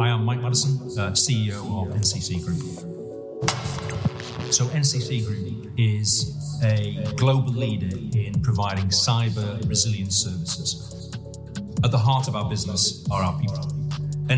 I am Mike Maddison, CEO of NCC Group. NCC Group is a global leader in providing cyber resilience services. At the heart of our business are our people.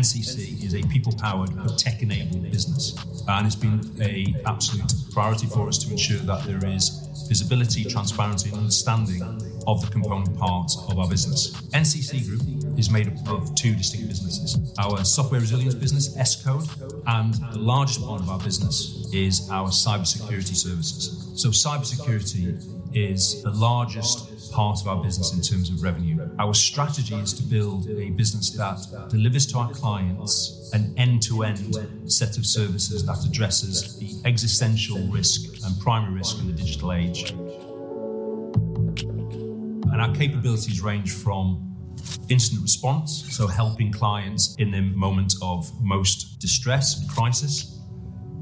NCC is a people-powered but tech-enabled business, and it's been an absolute priority for us to ensure that there is visibility, transparency, and understanding of the component parts of our business. NCC Group is made up of two distinct businesses: our software resilience business, Escode, and the largest part of our business is our cybersecurity services. Cybersecurity is the largest part of our business in terms of revenue. Our strategy is to build a business that delivers to our clients an end-to-end set of services that addresses the existential risk and primary risk in the digital age. Our capabilities range from incident response, so helping clients in their moment of most distress and crisis,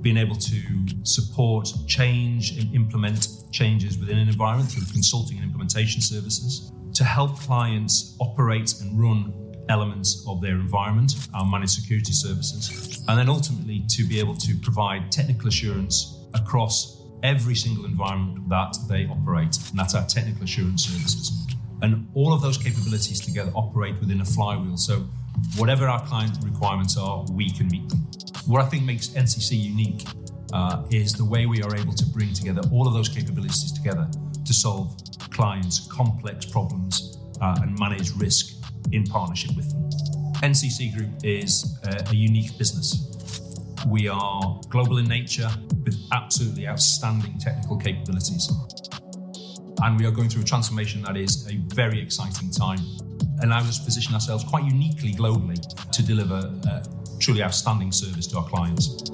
being able to support, change, and implement changes within an environment through consulting and implementation services, to help clients operate and run elements of their environment, our managed security services, and then ultimately, to be able to provide technical assurance across every single environment that they operate, and that's our technical assurance services. All of those capabilities together operate within a flywheel, so whatever our clients' requirements are, we can meet them. What I think makes NCC unique is the way we are able to bring together all of those capabilities together to solve clients' complex problems and manage risk in partnership with them. NCC Group is a unique business. We are global in nature with absolutely outstanding technical capabilities, and we are going through a transformation that is a very exciting time. Allows us to position ourselves quite uniquely globally to deliver truly outstanding service to our clients.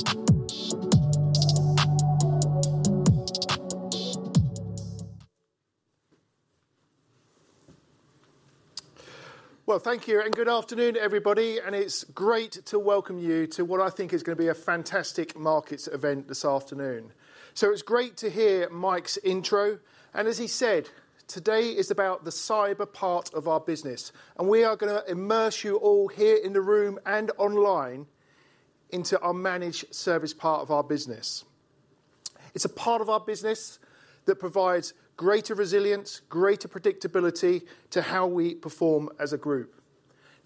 Well, thank you, and good afternoon, everybody, and it's great to welcome you to what I think is gonna be a fantastic markets event this afternoon. So it's great to hear Mike's intro, and as he said, today is about the cyber part of our business, and we are gonna immerse you all here in the room and online into our managed service part of our business. It's a part of our business that provides greater resilience, greater predictability to how we perform as a group.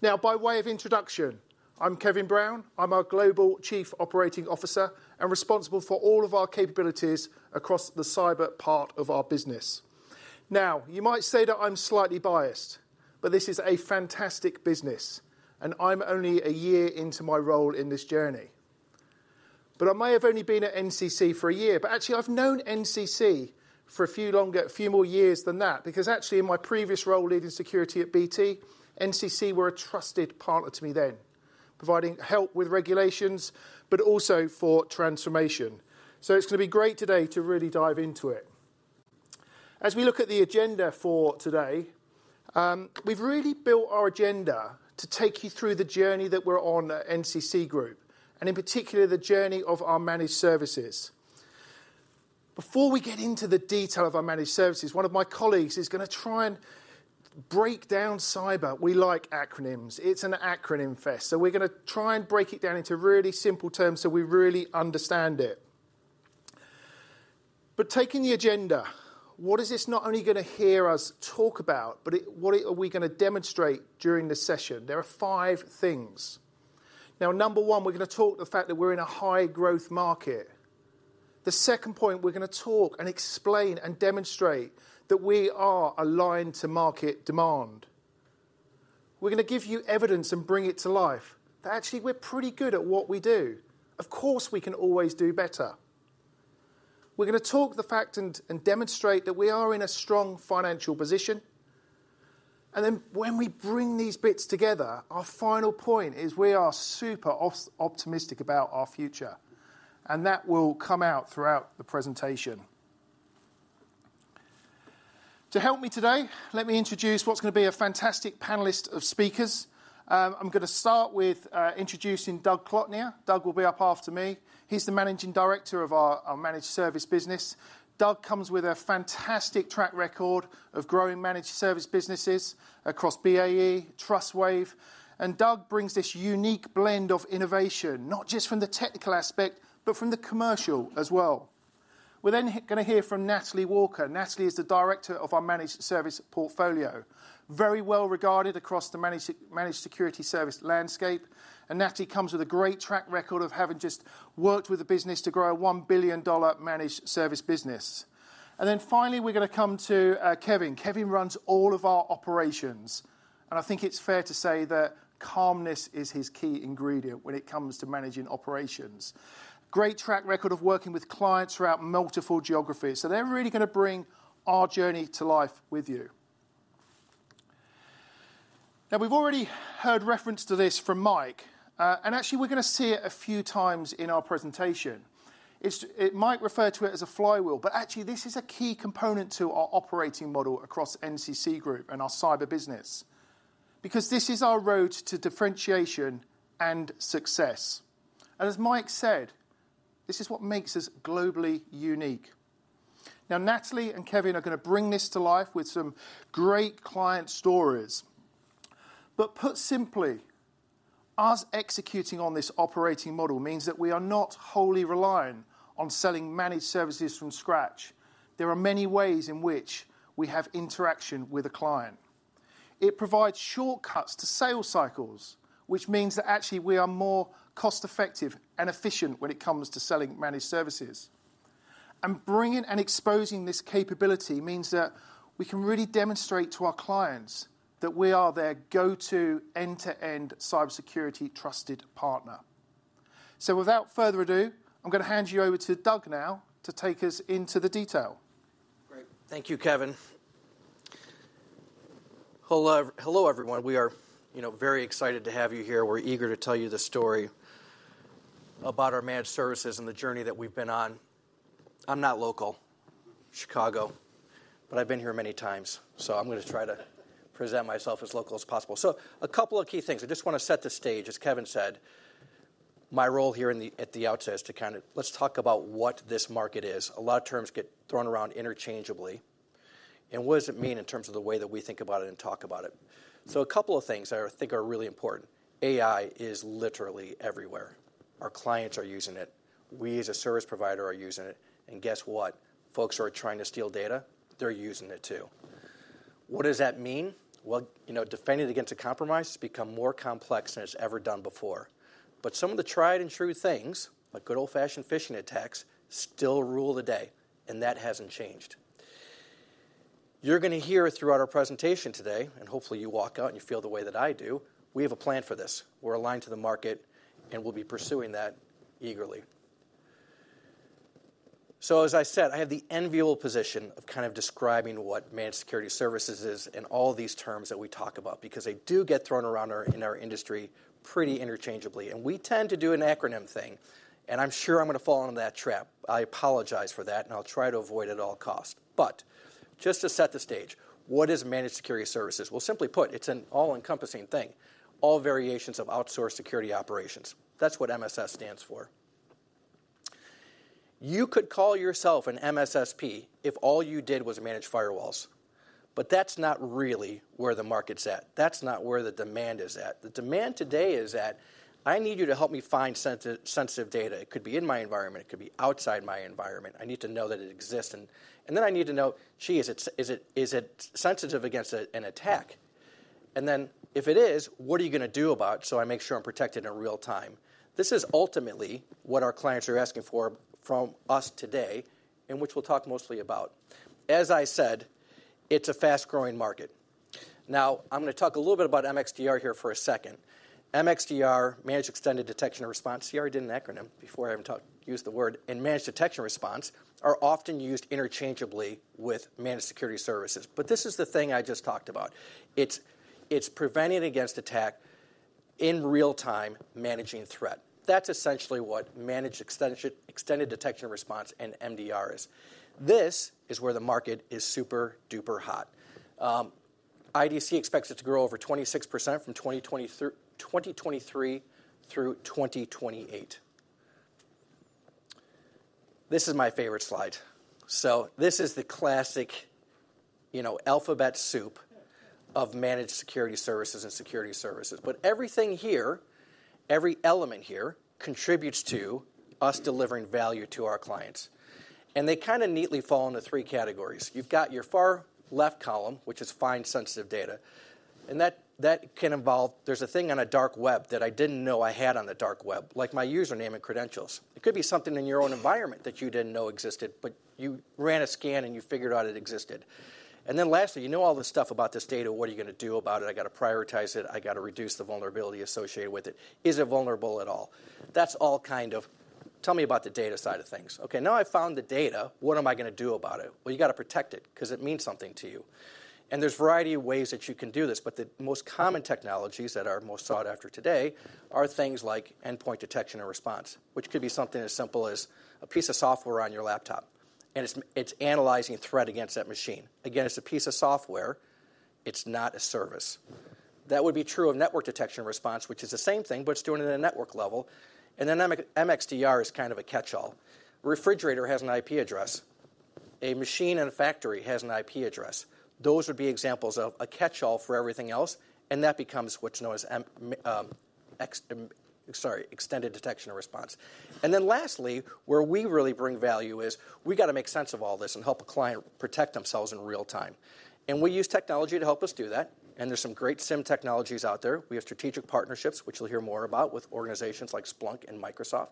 Now, by way of introduction, I'm Kevin Brown. I'm our Global Chief Operating Officer and responsible for all of our capabilities across the cyber part of our business. Now, you might say that I'm slightly biased, but this is a fantastic business, and I'm only a year into my role in this journey. But I may have only been at NCC for a year, but actually I've known NCC for a few longer, a few more years than that, because actually, in my previous role, leading security at BT, NCC were a trusted partner to me then, providing help with regulations, but also for transformation. So it's gonna be great today to really dive into it. As we look at the agenda for today, we've really built our agenda to take you through the journey that we're on at NCC Group, and in particular, the journey of our managed services. Before we get into the detail of our managed services, one of my colleagues is gonna try and break down cyber. We like acronyms. It's an acronym fest, so we're gonna try and break it down into really simple terms so we really understand it. But taking the agenda, what is this not only gonna hear us talk about, but it... what are we gonna demonstrate during this session? There are five things. Now, number one, we're gonna talk the fact that we're in a high-growth market. The second point, we're gonna talk and explain and demonstrate that we are aligned to market demand. We're gonna give you evidence and bring it to life, that actually we're pretty good at what we do. Of course, we can always do better. We're gonna talk the fact and demonstrate that we are in a strong financial position. And then when we bring these bits together, our final point is we are super optimistic about our future, and that will come out throughout the presentation. To help me today, let me introduce what's gonna be a fantastic panelist of speakers. I'm gonna start with introducing Doug Cloutier. Doug will be up after me. He's the Managing Director of our Managed Service business. Doug comes with a fantastic track record of growing managed service businesses across BAE, Trustwave, and Doug brings this unique blend of innovation, not just from the technical aspect, but from the commercial as well. We're then gonna hear from Natalie Walker. Natalie is the Director of our Managed Service portfolio, very well regarded across the Managed Security Service landscape, and Natalie comes with a great track record of having just worked with the business to grow a $1 billion managed service business. And then finally, we're gonna come to Kevin. Kevin runs all of our operations, and I think it's fair to say that calmness is his key ingredient when it comes to managing operations. Great track record of working with clients throughout multiple geographies, so they're really gonna bring our journey to life with you. Now, we've already heard reference to this from Mike, and actually, we're gonna see it a few times in our presentation. It might refer to it as a flywheel, but actually, this is a key component to our operating model across NCC Group and our cyber business because this is our road to differentiation and success. And as Mike said, this is what makes us globally unique.... Now, Natalie and Kevin are gonna bring this to life with some great client stories. But put simply, us executing on this operating model means that we are not wholly reliant on selling managed services from scratch. There are many ways in which we have interaction with a client. It provides shortcuts to sales cycles, which means that actually we are more cost-effective and efficient when it comes to selling managed services. And bringing and exposing this capability means that we can really demonstrate to our clients that we are their go-to, end-to-end cybersecurity trusted partner. So without further ado, I'm gonna hand you over to Doug now to take us into the detail. Great. Thank you, Kevin. Hello, hello, everyone. We are, you know, very excited to have you here. We're eager to tell you the story about our managed services and the journey that we've been on. I'm not local, Chicago, but I've been here many times, so I'm gonna try to present myself as local as possible. So a couple of key things. I just wanna set the stage. As Kevin said, my role here at the outset is to kind of... Let's talk about what this market is. A lot of terms get thrown around interchangeably, and what does it mean in terms of the way that we think about it and talk about it? So a couple of things I think are really important. AI is literally everywhere. Our clients are using it. We, as a service provider, are using it. And guess what? Folks who are trying to steal data, they're using it, too. What does that mean? Well, you know, defending against a compromise has become more complex than it's ever done before. But some of the tried and true things, like good old-fashioned phishing attacks, still rule the day, and that hasn't changed. You're gonna hear throughout our presentation today, and hopefully you walk out and you feel the way that I do, we have a plan for this. We're aligned to the market, and we'll be pursuing that eagerly. So as I said, I have the enviable position of kind of describing what managed security services is and all these terms that we talk about, because they do get thrown around in our industry pretty interchangeably, and we tend to do an acronym thing, and I'm sure I'm gonna fall into that trap. I apologize for that, and I'll try to avoid at all cost. But just to set the stage, what is managed security services? Well, simply put, it's an all-encompassing thing, all variations of outsourced security operations. That's what MSS stands for. You could call yourself an MSSP if all you did was manage firewalls, but that's not really where the market's at. That's not where the demand is at. The demand today is at, "I need you to help me find sensitive data. It could be in my environment; it could be outside my environment. I need to know that it exists, and then I need to know, gee, is it sensitive against an attack? And then, if it is, what are you gonna do about it so I make sure I'm protected in real time?" This is ultimately what our clients are asking for from us today, and which we'll talk mostly about. As I said, it's a fast-growing market. Now, I'm gonna talk a little bit about MXDR here for a second. MXDR, Managed Extended Detection and Response, see, I did an acronym before I even talked, used the word, and Managed Detection and Response are often used interchangeably with Managed Security Services. But this is the thing I just talked about. It's, it's preventing against attack in real time, managing threat. That's essentially what Managed Extension, Extended Detection and Response and MDR is. This is where the market is super-duper hot. IDC expects it to grow over 26% from 2023 through 2028. This is my favorite slide. So this is the classic, you know, alphabet soup of managed security services and security services. But everything here, every element here, contributes to us delivering value to our clients, and they kinda neatly fall into three categories. You've got your far left column, which is find sensitive data, and that, that can involve... There's a thing on a dark web that I didn't know I had on the dark web, like my username and credentials. It could be something in your own environment that you didn't know existed, but you ran a scan, and you figured out it existed. And then lastly, you know all this stuff about this data. What are you gonna do about it? I gotta prioritize it. I gotta reduce the vulnerability associated with it. Is it vulnerable at all? That's all kind of, tell me about the data side of things. Okay, now I've found the data, what am I gonna do about it? Well, you gotta protect it 'cause it means something to you. And there's a variety of ways that you can do this, but the most common technologies that are most sought after today are things like endpoint detection and response, which could be something as simple as a piece of software on your laptop, and it's, it's analyzing a threat against that machine. Again, it's a piece of software. It's not a service. That would be true of network detection and response, which is the same thing, but it's doing it at a network level. And then MX- MXDR is kind of a catch-all. Refrigerator has an IP address. A machine in a factory has an IP address. Those would be examples of a catch-all for everything else, and that becomes what's known as MX extended detection and response. Then lastly, where we really bring value is, we gotta make sense of all this and help a client protect themselves in real time. We use technology to help us do that, and there's some great SIEM technologies out there. We have strategic partnerships, which you'll hear more about, with organizations like Splunk and Microsoft,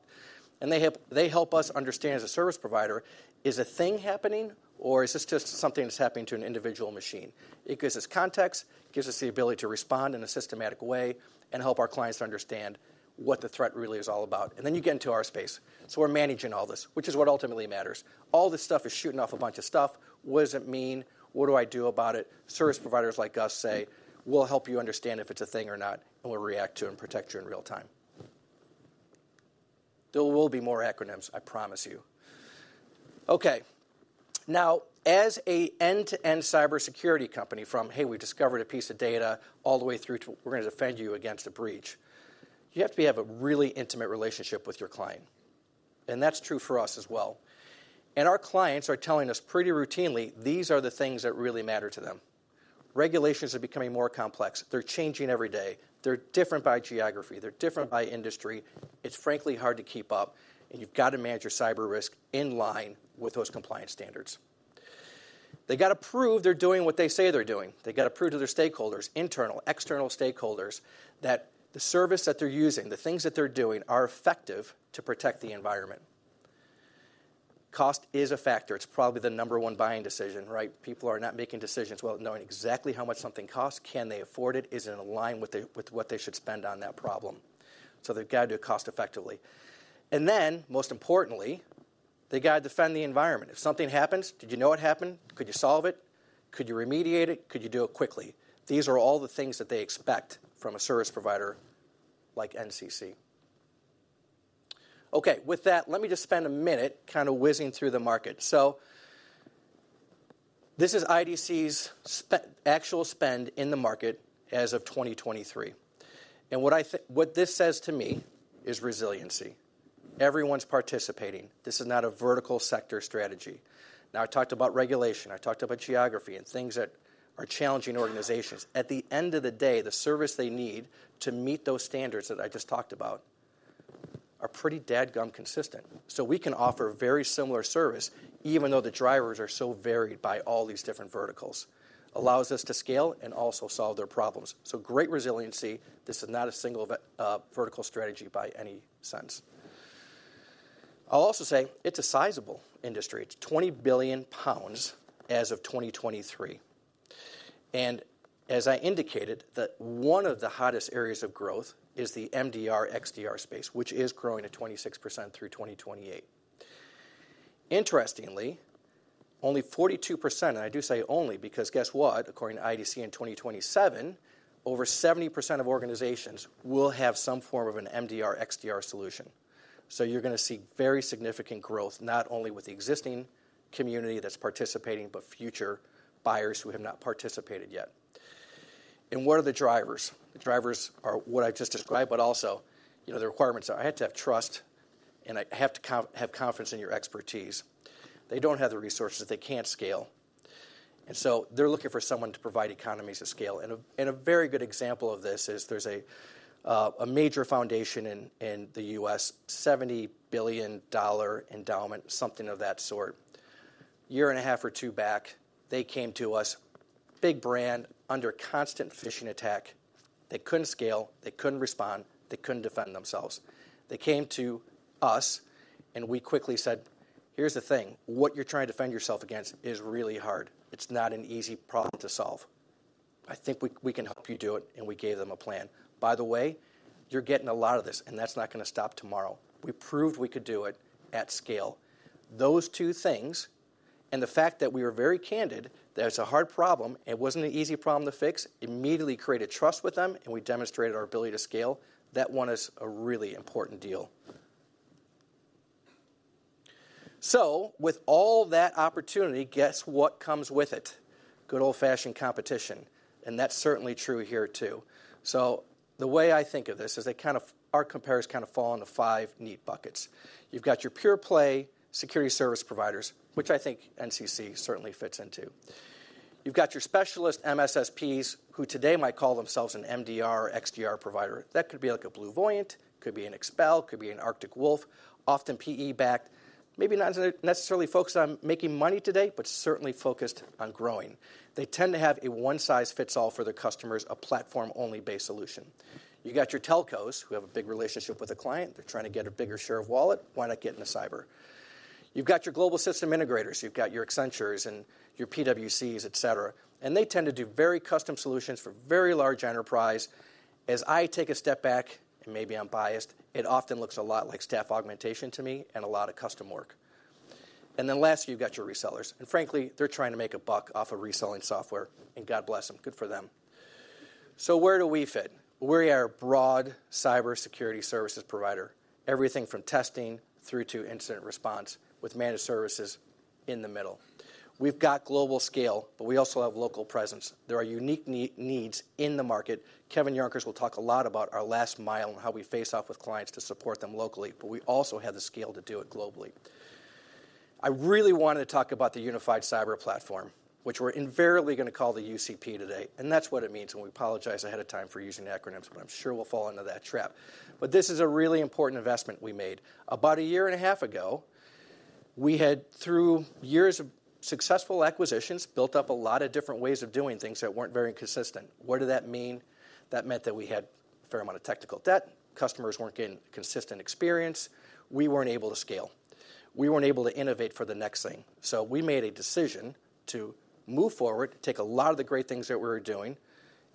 and they help, they help us understand, as a service provider, is a thing happening, or is this just something that's happening to an individual machine? It gives us context, gives us the ability to respond in a systematic way and help our clients to understand what the threat really is all about. Then you get into our space. So we're managing all this, which is what ultimately matters. All this stuff is shooting off a bunch of stuff. What does it mean? What do I do about it? Service providers like us say, "We'll help you understand if it's a thing or not, and we'll react to and protect you in real time." There will be more acronyms, I promise you. Okay. Now, as an end-to-end cybersecurity company, from, "Hey, we discovered a piece of data," all the way through to, "We're gonna defend you against a breach..." You have to have a really intimate relationship with your client, and that's true for us as well. And our clients are telling us pretty routinely, these are the things that really matter to them. Regulations are becoming more complex. They're changing every day. They're different by geography. They're different by industry. It's frankly hard to keep up, and you've got to manage your cyber risk in line with those compliance standards. They've got to prove they're doing what they say they're doing. They've got to prove to their stakeholders, internal, external stakeholders, that the service that they're using, the things that they're doing, are effective to protect the environment. Cost is a factor. It's probably the number one buying decision, right? People are not making decisions without knowing exactly how much something costs. Can they afford it? Is it in line with the, with what they should spend on that problem? So they've got to do it cost effectively. And then, most importantly, they got to defend the environment. If something happens, did you know what happened? Could you solve it? Could you remediate it? Could you do it quickly? These are all the things that they expect from a service provider like NCC. Okay, with that, let me just spend a minute kind of whizzing through the market. So this is IDC's actual spend in the market as of 2023. And what I think- what this says to me is resiliency. Everyone's participating. This is not a vertical sector strategy. Now, I talked about regulation, I talked about geography, and things that are challenging organizations. At the end of the day, the service they need to meet those standards that I just talked about are pretty dadgum consistent. So we can offer very similar service, even though the drivers are so varied by all these different verticals. Allows us to scale and also solve their problems. So great resiliency, this is not a single vertical strategy by any sense. I'll also say it's a sizable industry. It's 20 billion pounds as of 2023. As I indicated, one of the hottest areas of growth is the MDR XDR space, which is growing at 26% through 2028. Interestingly, only 42%, and I do say only because guess what? According to IDC, in 2027, over 70% of organizations will have some form of an MDR XDR solution. So you're gonna see very significant growth, not only with the existing community that's participating, but future buyers who have not participated yet. What are the drivers? The drivers are what I just described, but also, you know, the requirements are I have to have trust, and I have to have confidence in your expertise. They don't have the resources, they can't scale, and so they're looking for someone to provide economies of scale. A very good example of this is there's a major foundation in the U.S., $70 billion endowment, something of that sort. A year and a half or 2 back, they came to us, big brand, under constant phishing attack. They couldn't scale, they couldn't respond, they couldn't defend themselves. They came to us, and we quickly said, "Here's the thing. What you're trying to defend yourself against is really hard. It's not an easy problem to solve. I think we can help you do it," and we gave them a plan. "By the way, you're getting a lot of this, and that's not gonna stop tomorrow." We proved we could do it at scale. Those two things, and the fact that we were very candid, that it's a hard problem, it wasn't an easy problem to fix, immediately created trust with them, and we demonstrated our ability to scale. That won us a really important deal. So with all that opportunity, guess what comes with it? Good old-fashioned competition, and that's certainly true here, too. So the way I think of this is, our competitors kind of fall into five neat buckets. You've got your pure play security service providers, which I think NCC certainly fits into. You've got your specialist MSSPs, who today might call themselves an MDR, XDR provider. That could be like a BlueVoyant, could be an Expel, could be an Arctic Wolf, often PE-backed, maybe not necessarily focused on making money today, but certainly focused on growing. They tend to have a one size fits all for their customers, a platform-only-based solution. You got your telcos, who have a big relationship with a client. They're trying to get a bigger share of wallet. Why not get into cyber? You've got your global system integrators. You've got your Accenture and your PwC, et cetera, and they tend to do very custom solutions for very large enterprise. As I take a step back, and maybe I'm biased, it often looks a lot like staff augmentation to me and a lot of custom work. And then last, you've got your resellers, and frankly, they're trying to make a buck off of reselling software, and God bless them. Good for them. So where do we fit? We are a broad cybersecurity services provider, everything from testing through to incident response with managed services in the middle. We've got global scale, but we also have local presence. There are unique needs in the market. Kevin Jonkers will talk a lot about our last mile and how we face off with clients to support them locally, but we also have the scale to do it globally. I really wanted to talk about the Unified Cyber Platform, which we're invariably gonna call the UCP today, and that's what it means, and we apologize ahead of time for using acronyms, but I'm sure we'll fall into that trap. But this is a really important investment we made. About a year and a half ago, we had, through years of successful acquisitions, built up a lot of different ways of doing things that weren't very consistent. What did that mean? That meant that we had a fair amount of technical debt, customers weren't getting consistent experience, we weren't able to scale. We weren't able to innovate for the next thing. So we made a decision to move forward, take a lot of the great things that we were doing,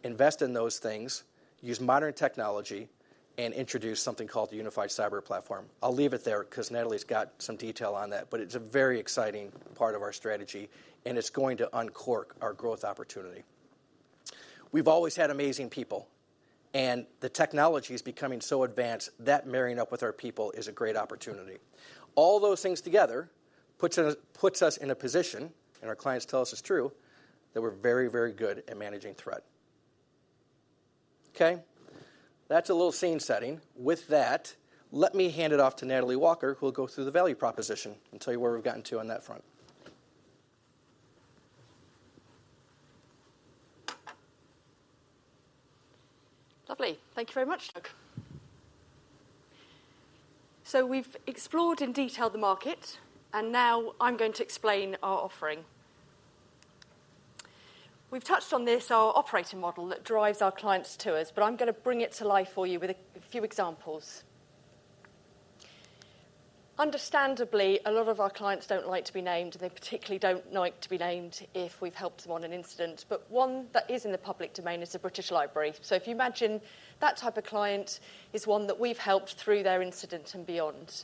invest in those things, use modern technology, and introduce something called the Unified Cyber Platform. I'll leave it there because Natalie's got some detail on that, but it's a very exciting part of our strategy, and it's going to uncork our growth opportunity. We've always had amazing people, and the technology is becoming so advanced that marrying up with our people is a great opportunity. All those things together, puts us, puts us in a position, and our clients tell us it's true, that we're very, very good at managing threat. Okay? That's a little scene setting. With that, let me hand it off to Natalie Walker, who will go through the value proposition and tell you where we've gotten to on that front. Lovely. Thank you very much, Doug. So we've explored in detail the market, and now I'm going to explain our offering. We've touched on this, our operating model that drives our clients to us, but I'm gonna bring it to life for you with a, a few examples. Understandably, a lot of our clients don't like to be named, and they particularly don't like to be named if we've helped them on an incident, but one that is in the public domain is the British Library. So if you imagine, that type of client is one that we've helped through their incident and beyond.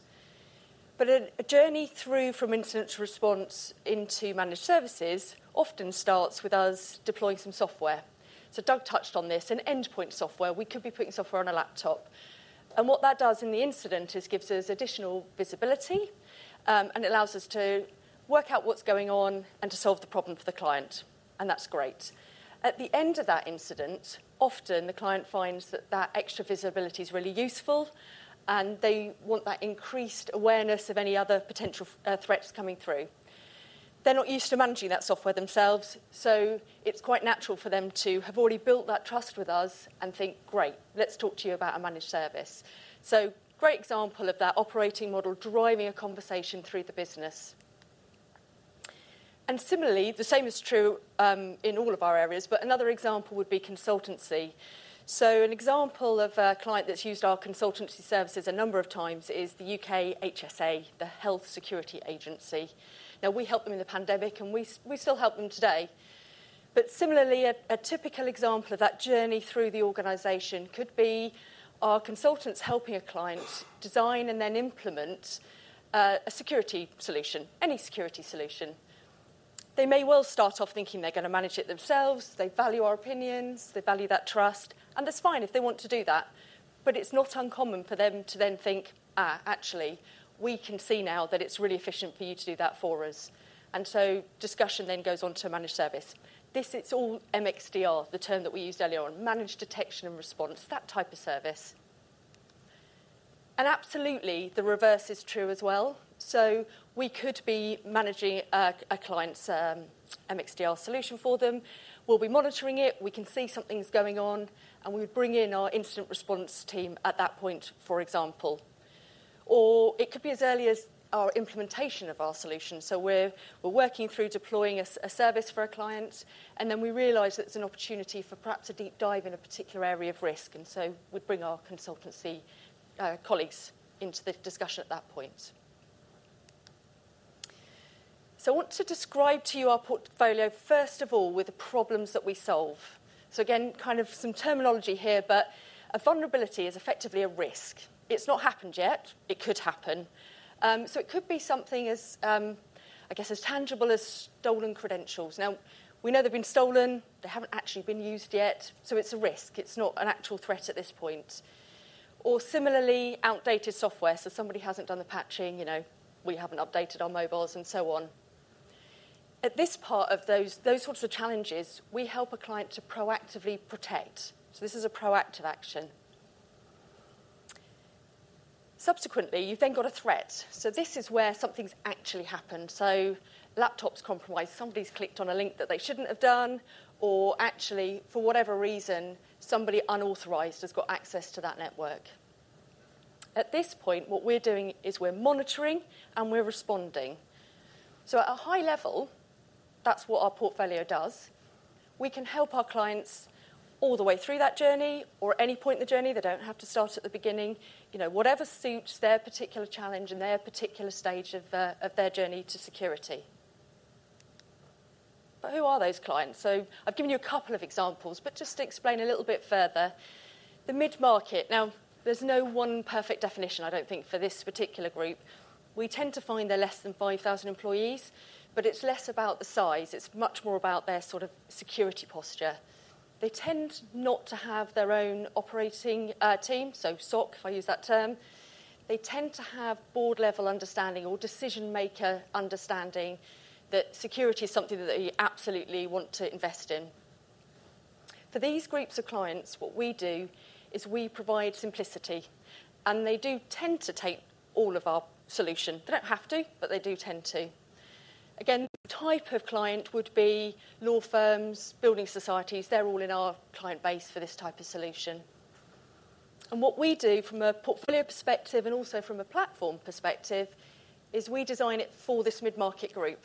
But a, a journey through from incident response into managed services often starts with us deploying some software. So Doug touched on this, an endpoint software. We could be putting software on a laptop, and what that does in the incident is gives us additional visibility, and allows us to work out what's going on and to solve the problem for the client, and that's great. At the end of that incident, often the client finds that that extra visibility is really useful, and they want that increased awareness of any other potential threats coming through. They're not used to managing that software themselves, so it's quite natural for them to have already built that trust with us and think, "Great, let's talk to you about a managed service." So great example of that operating model driving a conversation through the business. And similarly, the same is true, in all of our areas, but another example would be consultancy. So an example of a client that's used our consultancy services a number of times is the UKHSA, the Health Security Agency. Now, we helped them in the pandemic, and we still help them today. But similarly, a typical example of that journey through the organization could be our consultants helping a client design and then implement a security solution, any security solution. They may well start off thinking they're gonna manage it themselves. They value our opinions, they value that trust, and that's fine if they want to do that, but it's not uncommon for them to then think, "Ah, actually, we can see now that it's really efficient for you to do that for us." And so discussion then goes on to a managed service. This, it's all MXDR, the term that we used earlier on, Managed Detection and Response, that type of service. And absolutely, the reverse is true as well. So we could be managing a client's MXDR solution for them. We'll be monitoring it, we can see something's going on, and we would bring in our incident response team at that point, for example. Or it could be as early as our implementation of our solution. So we're working through deploying a service for a client, and then we realize that it's an opportunity for perhaps a deep dive in a particular area of risk, and so we'd bring our consultancy colleagues into the discussion at that point. So I want to describe to you our portfolio, first of all, with the problems that we solve. So again, kind of some terminology here, but a vulnerability is effectively a risk. It's not happened yet, it could happen. So it could be something as, I guess, as tangible as stolen credentials. Now, we know they've been stolen, they haven't actually been used yet, so it's a risk. It's not an actual threat at this point. Or similarly, outdated software, so somebody hasn't done the patching, you know, we haven't updated our mobiles, and so on. At this part of those, those sorts of challenges, we help a client to proactively protect, so this is a proactive action. Subsequently, you've then got a threat, so this is where something's actually happened. So laptop's compromised, somebody's clicked on a link that they shouldn't have done, or actually, for whatever reason, somebody unauthorized has got access to that network. At this point, what we're doing is we're monitoring and we're responding. So at a high level, that's what our portfolio does. We can help our clients all the way through that journey or at any point in the journey. They don't have to start at the beginning. You know, whatever suits their particular challenge and their particular stage of their journey to security. But who are those clients? So I've given you a couple of examples, but just to explain a little bit further. The mid-market. Now, there's no one perfect definition, I don't think, for this particular group. We tend to find they're less than 5,000 employees, but it's less about the size, it's much more about their sort of security posture. They tend not to have their own operating team, so SOC, if I use that term. They tend to have board-level understanding or decision-maker understanding that security is something that they absolutely want to invest in. For these groups of clients, what we do is we provide simplicity, and they do tend to take all of our solution. They don't have to, but they do tend to. Again, the type of client would be law firms, building societies. They're all in our client base for this type of solution. What we do from a portfolio perspective, and also from a platform perspective, is we design it for this mid-market group.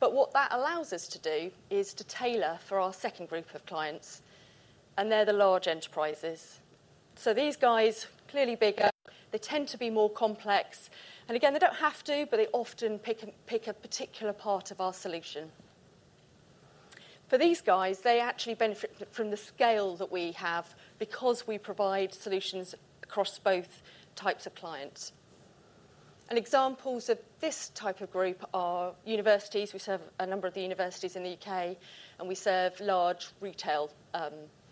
But what that allows us to do is to tailor for our second group of clients, and they're the large enterprises. These guys, clearly bigger, they tend to be more complex, and again, they don't have to, but they often pick a particular part of our solution. For these guys, they actually benefit from the scale that we have because we provide solutions across both types of clients. Examples of this type of group are universities. We serve a number of the universities in the U.K., and we serve large retail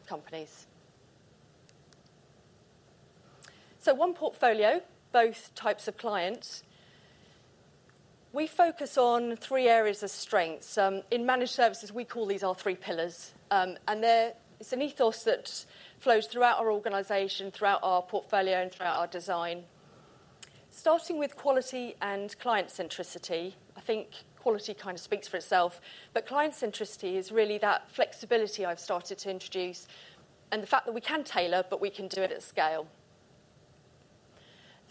companies. One portfolio, both types of clients. We focus on three areas of strengths. In managed services, we call these our three pillars. They're. It's an ethos that flows throughout our organization, throughout our portfolio, and throughout our design. Starting with quality and client centricity, I think quality kind of speaks for itself, but client centricity is really that flexibility I've started to introduce, and the fact that we can tailor, but we can do it at scale.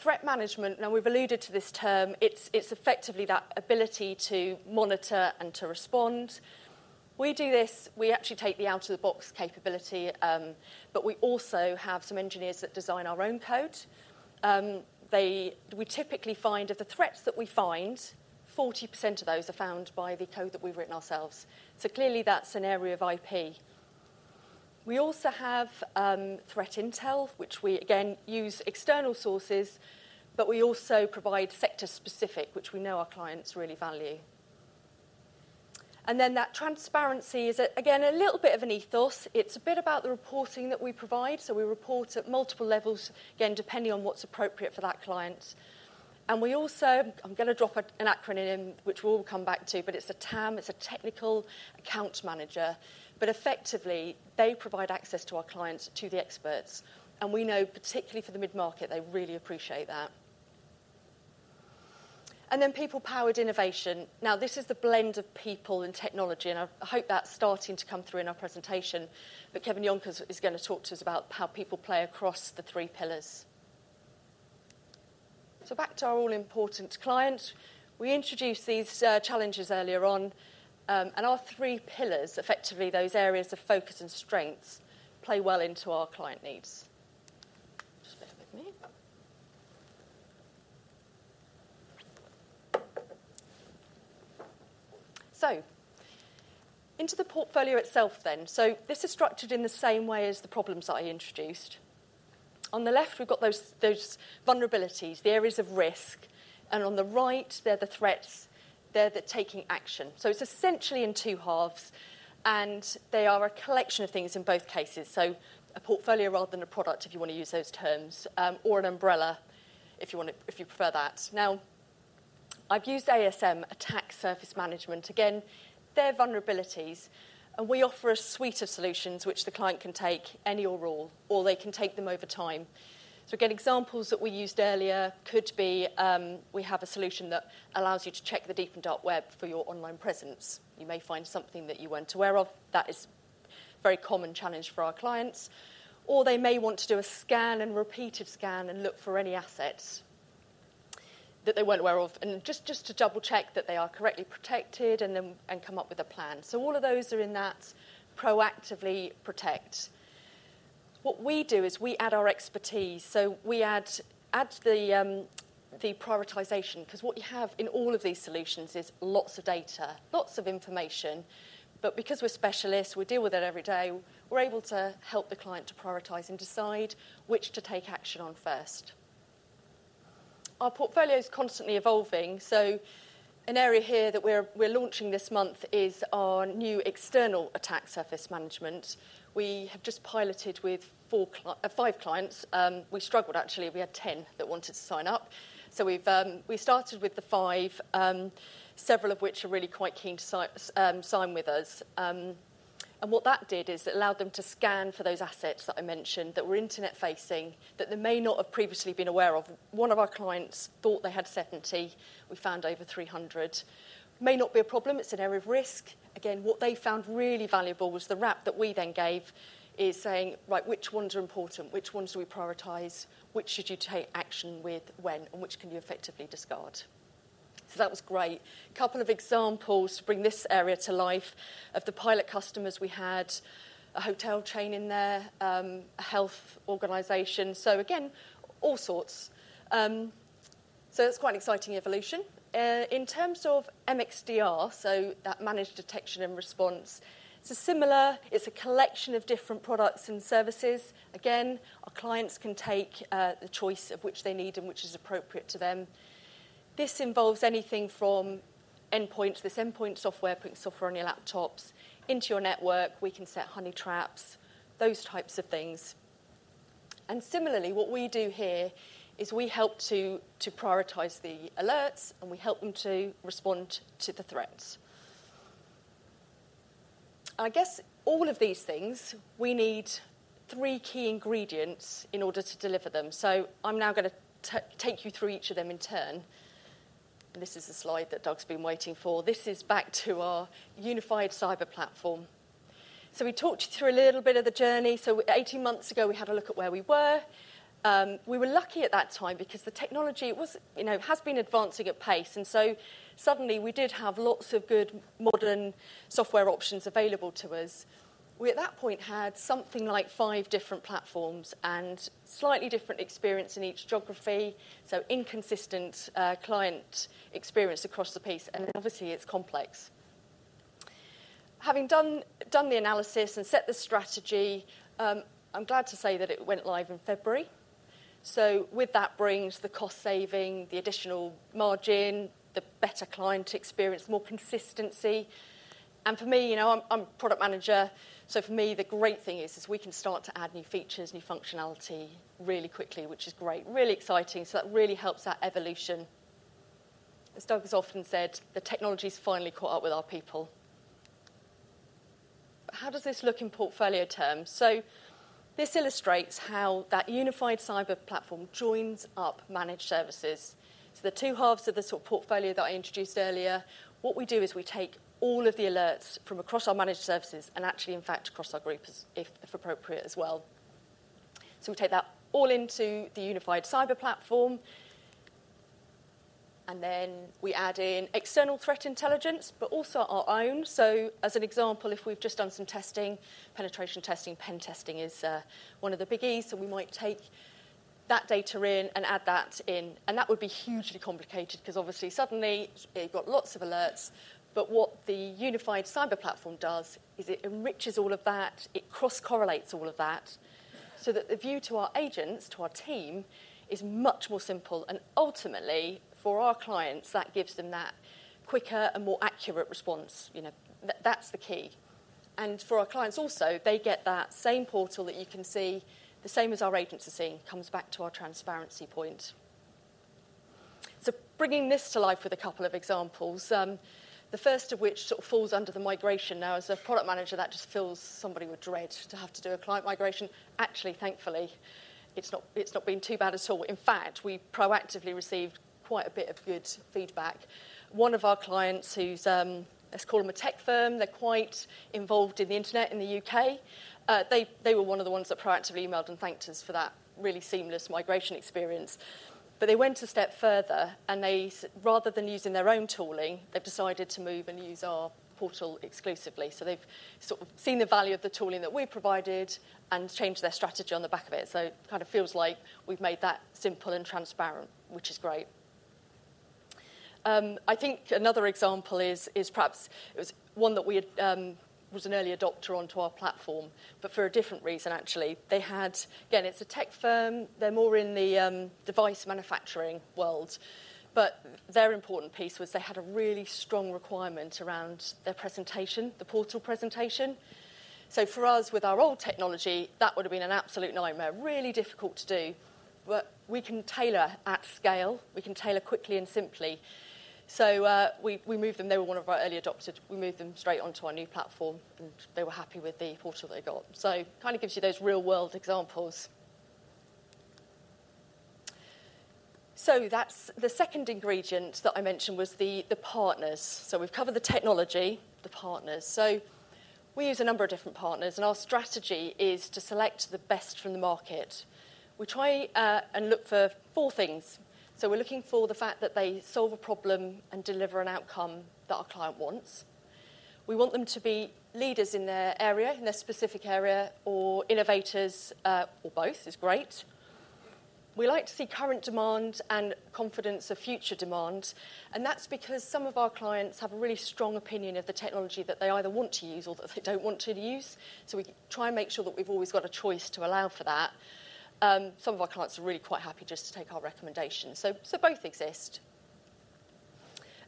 Threat management, now, we've alluded to this term. It's, it's effectively that ability to monitor and to respond. We do this, we actually take the out-of-the-box capability, but we also have some engineers that design our own code. We typically find, of the threats that we find, 40% of those are found by the code that we've written ourselves, so clearly that's an area of IP. We also have threat intel, which we again use external sources, but we also provide sector-specific, which we know our clients really value. And then that transparency is, again, a little bit of an ethos. It's a bit about the reporting that we provide, so we report at multiple levels, again, depending on what's appropriate for that client. And we also... I'm gonna drop an acronym, which we'll come back to, but it's a TAM, it's a technical account manager. But effectively, they provide access to our clients, to the experts, and we know, particularly for the mid-market, they really appreciate that. And then people-powered innovation. Now, this is the blend of people and technology, and I hope that's starting to come through in our presentation, but Kevin Jonkers is gonna talk to us about how people play across the three pillars. So back to our all-important client. We introduced these challenges earlier on, and our three pillars, effectively, those areas of focus and strengths, play well into our client needs. Just bear with me. So into the portfolio itself then. So this is structured in the same way as the problems that I introduced. On the left, we've got those, those vulnerabilities, the areas of risk, and on the right, they're the threats, they're the taking action. So it's essentially in two halves, and they are a collection of things in both cases. So a portfolio rather than a product, if you want to use those terms, or an umbrella, if you wanna—if you prefer that. Now, I've used ASM, Attack Surface Management. Again, they're vulnerabilities, and we offer a suite of solutions which the client can take, any or all, or they can take them over time. So again, examples that we used earlier could be, we have a solution that allows you to check the deep and Dark web for your online presence. You may find something that you weren't aware of. That is very common challenge for our clients. Or they may want to do a scan and repeated scan and look for any assets that they weren't aware of, and just to double-check that they are correctly protected, and then come up with a plan. So all of those are in that proactively protect. What we do is we add our expertise, so we add the prioritization, 'cause what you have in all of these solutions is lots of data, lots of information. But because we're specialists, we deal with it every day, we're able to help the client to prioritize and decide which to take action on first. Our portfolio is constantly evolving, so an area here that we're launching this month is our new External Attack Surface Management. We have just piloted with 5 clients. We struggled, actually. We had 10 that wanted to sign up. So we've, we started with the five, several of which are really quite keen to sign with us. And what that did is it allowed them to scan for those assets that I mentioned, that were internet-facing, that they may not have previously been aware of. One of our clients thought they had 70, we found over 300. May not be a problem, it's an area of risk. Again, what they found really valuable was the wrap that we then gave, is saying: "Right, which ones are important? Which ones do we prioritize? Which should you take action with when, and which can you effectively discard?" So that was great. Couple of examples to bring this area to life. Of the pilot customers, we had a hotel chain in there, a health organization, so again, all sorts. So it's quite an exciting evolution. In terms of MXDR, so that managed detection and response, it's similar, it's a collection of different products and services. Again, our clients can take the choice of which they need and which is appropriate to them. This involves anything from endpoint, this endpoint software, putting software on your laptops, into your network. We can set honey traps, those types of things. And similarly, what we do here is we help to prioritize the alerts, and we help them to respond to the threats. I guess all of these things, we need three key ingredients in order to deliver them. So I'm now gonna take you through each of them in turn. And this is the slide that Doug's been waiting for. This is back to our Unified Cyber Platform. So we talked you through a little bit of the journey. So 18 months ago, we had a look at where we were. We were lucky at that time because the technology was, you know, has been advancing at pace, and so suddenly, we did have lots of good modern software options available to us. We, at that point, had something like 5 different platforms and slightly different experience in each geography, so inconsistent client experience across the piece, and obviously, it's complex. Having done the analysis and set the strategy, I'm glad to say that it went live in February. So with that brings the cost saving, the additional margin, the better client experience, more consistency.... For me, you know, I'm product manager, so for me, the great thing is we can start to add new features, new functionality really quickly, which is great. Really exciting, so that really helps that evolution. As Doug has often said, the technology's finally caught up with our people. How does this look in portfolio terms? So this illustrates how that Unified Cyber Platform joins up managed services. So the two halves of the sort of portfolio that I introduced earlier, what we do is we take all of the alerts from across our managed services and actually, in fact, across our group as if, if appropriate as well. So we take that all into the Unified Cyber Platform, and then we add in external threat intelligence, but also our own. So as an example, if we've just done some testing, penetration testing, pen testing is one of the biggies, so we might take that data in and add that in, and that would be hugely complicated, 'cause obviously suddenly you've got lots of alerts. But what the Unified Cyber Platform does is it enriches all of that, it cross-correlates all of that, so that the view to our agents, to our team, is much more simple, and ultimately, for our clients, that gives them that quicker and more accurate response. You know, that, that's the key. And for our clients also, they get that same portal that you can see, the same as our agents are seeing, comes back to our transparency point. So bringing this to life with a couple of examples, the first of which sort of falls under the migration. Now, as a product manager, that just fills somebody with dread to have to do a client migration. Actually, thankfully, it's not, it's not been too bad at all. In fact, we proactively received quite a bit of good feedback. One of our clients who's, let's call them a tech firm, they're quite involved in the internet in the U.K. They were one of the ones that proactively emailed and thanked us for that really seamless migration experience. But they went a step further, and they so rather than using their own tooling, they've decided to move and use our portal exclusively. So they've sort of seen the value of the tooling that we provided and changed their strategy on the back of it. So kind of feels like we've made that simple and transparent, which is great. I think another example is perhaps it was one that we had, was an early adopter onto our platform, but for a different reason, actually. They had. Again, it's a tech firm. They're more in the device manufacturing world, but their important piece was they had a really strong requirement around their presentation, the portal presentation. So for us, with our old technology, that would've been an absolute nightmare, really difficult to do. But we can tailor at scale. We can tailor quickly and simply. So we moved them. They were one of our early adopters. We moved them straight onto our new platform, and they were happy with the portal they got. So kind of gives you those real-world examples. So that's the second ingredient that I mentioned, was the partners. So we've covered the technology, the partners. So we use a number of different partners, and our strategy is to select the best from the market. We try and look for four things. So we're looking for the fact that they solve a problem and deliver an outcome that our client wants. We want them to be leaders in their area, in their specific area, or innovators, or both is great. We like to see current demand and confidence of future demand, and that's because some of our clients have a really strong opinion of the technology that they either want to use or that they don't want to use. So we try and make sure that we've always got a choice to allow for that. Some of our clients are really quite happy just to take our recommendations, so both exist.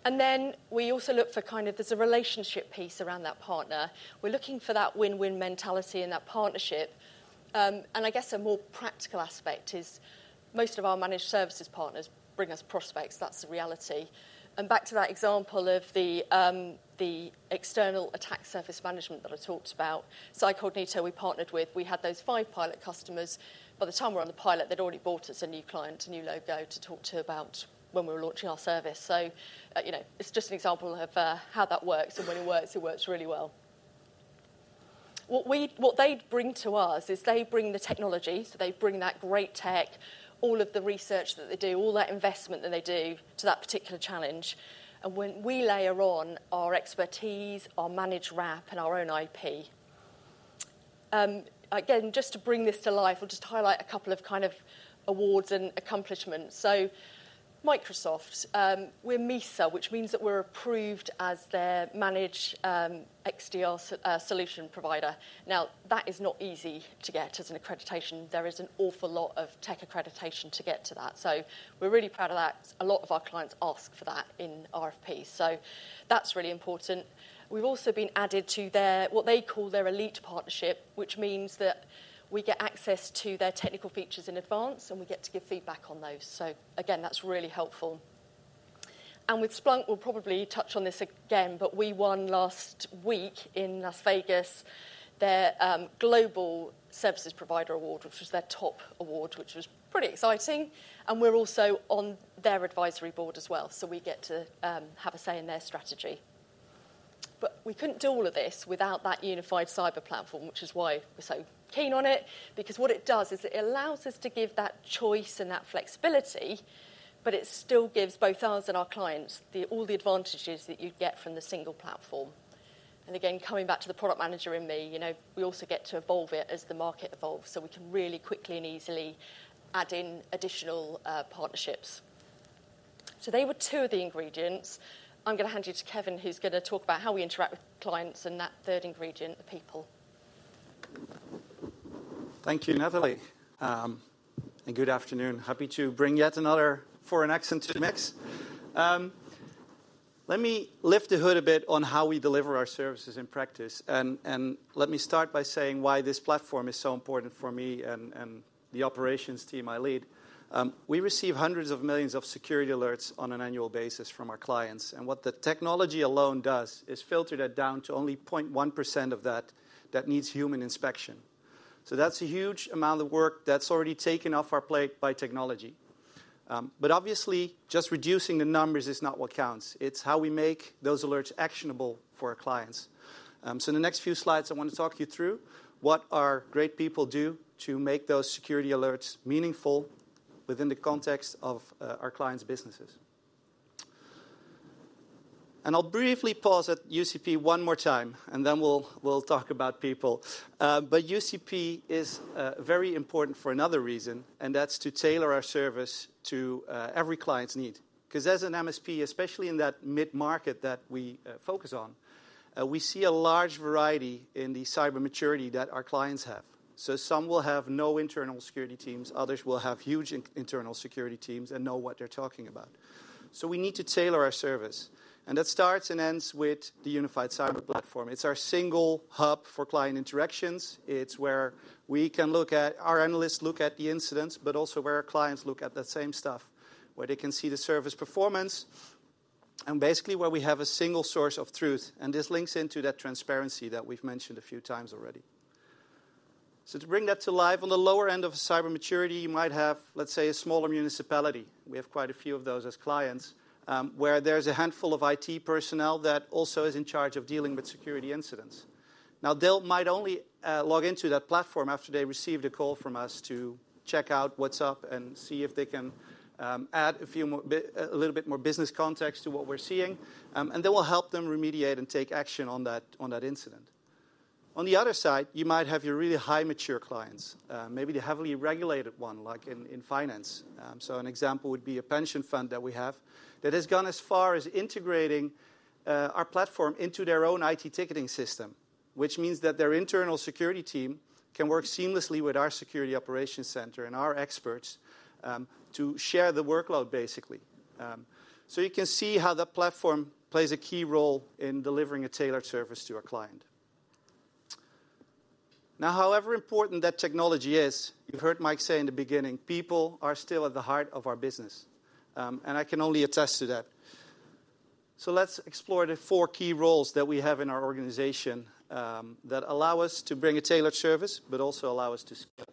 And then we also look for kind of there's a relationship piece around that partner. We're looking for that win-win mentality in that partnership. And I guess a more practical aspect is most of our managed services partners bring us prospects. That's the reality. And back to that example of the External Attack Surface Management that I talked about, CyCognito, we partnered with. We had those 5 pilot customers. By the time we were on the pilot, they'd already brought us a new client, a new logo to talk to about when we were launching our service. So, you know, it's just an example of how that works, and when it works, it works really well. What they bring to us is they bring the technology, so they bring that great tech, all of the research that they do, all that investment that they do to that particular challenge, and when we layer on our expertise, our managed wrap, and our own IP. Again, just to bring this to life, I'll just highlight a couple of kind of awards and accomplishments. So Microsoft, we're MISA, which means that we're approved as their managed XDR solution provider. Now, that is not easy to get as an accreditation. There is an awful lot of tech accreditation to get to that, so we're really proud of that. A lot of our clients ask for that in RFP, so that's really important. We've also been added to their, what they call their elite partnership, which means that we get access to their technical features in advance, and we get to give feedback on those. So again, that's really helpful. And with Splunk, we'll probably touch on this again, but we won last week in Las Vegas, their Global Services Provider Award, which was their top award, which was pretty exciting, and we're also on their advisory board as well, so we get to have a say in their strategy. But we couldn't do all of this without that Unified Cyber Platform, which is why we're so keen on it, because what it does is it allows us to give that choice and that flexibility, but it still gives both us and our clients all the advantages that you'd get from the single platform. Again, coming back to the product manager in me, you know, we also get to evolve it as the market evolves, so we can really quickly and easily add in additional partnerships. So they were two of the ingredients. I'm gonna hand you to Kevin, who's gonna talk about how we interact with clients and that third ingredient, the people. Thank you, Natalie. And good afternoon. Happy to bring yet another foreign accent to the mix. Let me lift the hood a bit on how we deliver our services in practice, and, and let me start by saying why this platform is so important for me and, and the operations team I lead. We receive hundreds of millions of security alerts on an annual basis from our clients, and what the technology alone does is filter that down to only 0.1% of that, that needs human inspection. So that's a huge amount of work that's already taken off our plate by technology. But obviously, just reducing the numbers is not what counts. It's how we make those alerts actionable for our clients. So the next few slides, I want to talk you through what our great people do to make those security alerts meaningful within the context of our clients' businesses. I'll briefly pause at UCP one more time, and then we'll talk about people. But UCP is very important for another reason, and that's to tailor our service to every client's need. 'Cause as an MSP, especially in that mid-market that we focus on, we see a large variety in the cyber maturity that our clients have. So some will have no internal security teams, others will have huge internal security teams and know what they're talking about. So we need to tailor our service, and that starts and ends with the Unified Cyber Platform. It's our single hub for client interactions. It's where we can look at... Our analysts look at the incidents, but also where our clients look at that same stuff, where they can see the service performance, and basically, where we have a single source of truth, and this links into that transparency that we've mentioned a few times already. So to bring that to life, on the lower end of cyber maturity, you might have, let's say, a smaller municipality, we have quite a few of those as clients, where there's a handful of IT personnel that also is in charge of dealing with security incidents. Now, they might only log into that platform after they received a call from us to check out what's up and see if they can add a few more—a little bit more business context to what we're seeing, and then we'll help them remediate and take action on that, on that incident. On the other side, you might have your really high mature clients, maybe the heavily regulated one, like in finance. So an example would be a pension fund that we have that has gone as far as integrating our platform into their own IT ticketing system, which means that their internal security team can work seamlessly with our security operations center and our experts to share the workload, basically. So you can see how that platform plays a key role in delivering a tailored service to our client. Now, however important that technology is, you heard Mike say in the beginning, people are still at the heart of our business. And I can only attest to that. So let's explore the four key roles that we have in our organization, that allow us to bring a tailored service, but also allow us to scale.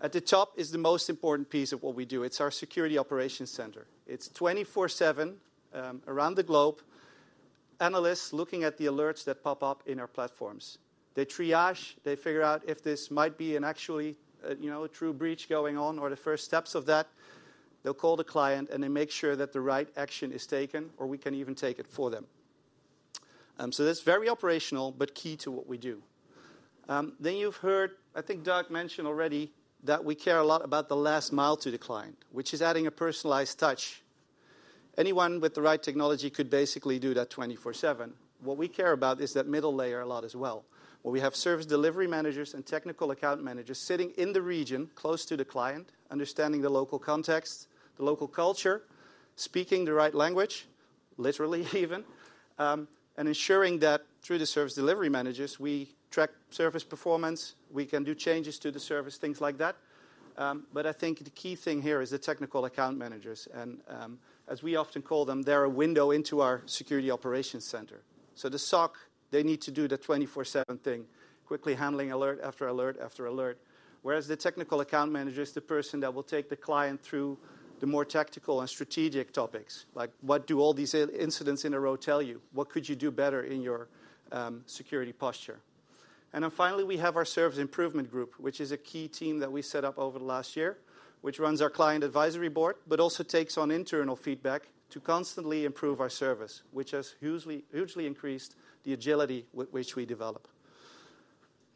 At the top is the most important piece of what we do. It's our security operations center. It's 24/7, around the globe, analysts looking at the alerts that pop up in our platforms. They triage, they figure out if this might be an actual, you know, a true breach going on or the first steps of that. They'll call the client, and they make sure that the right action is taken, or we can even take it for them. So that's very operational, but key to what we do. Then you've heard, I think Doug mentioned already, that we care a lot about the last mile to the client, which is adding a personalized touch. Anyone with the right technology could basically do that twenty-four/seven. What we care about is that middle layer a lot as well, where we have service delivery managers and technical account managers sitting in the region close to the client, understanding the local context, the local culture, speaking the right language, literally even, and ensuring that through the service delivery managers, we track service performance, we can do changes to the service, things like that. But I think the key thing here is the technical account managers, and, as we often call them, they're a window into our security operations center. So the SOC, they need to do the 24/7 thing, quickly handling alert after alert after alert. Whereas the technical account manager is the person that will take the client through the more tactical and strategic topics, like, what do all these incidents in a row tell you? What could you do better in your security posture? And then finally, we have our service improvement group, which is a key team that we set up over the last year, which runs our client advisory board, but also takes on internal feedback to constantly improve our service, which has hugely, hugely increased the agility with which we develop.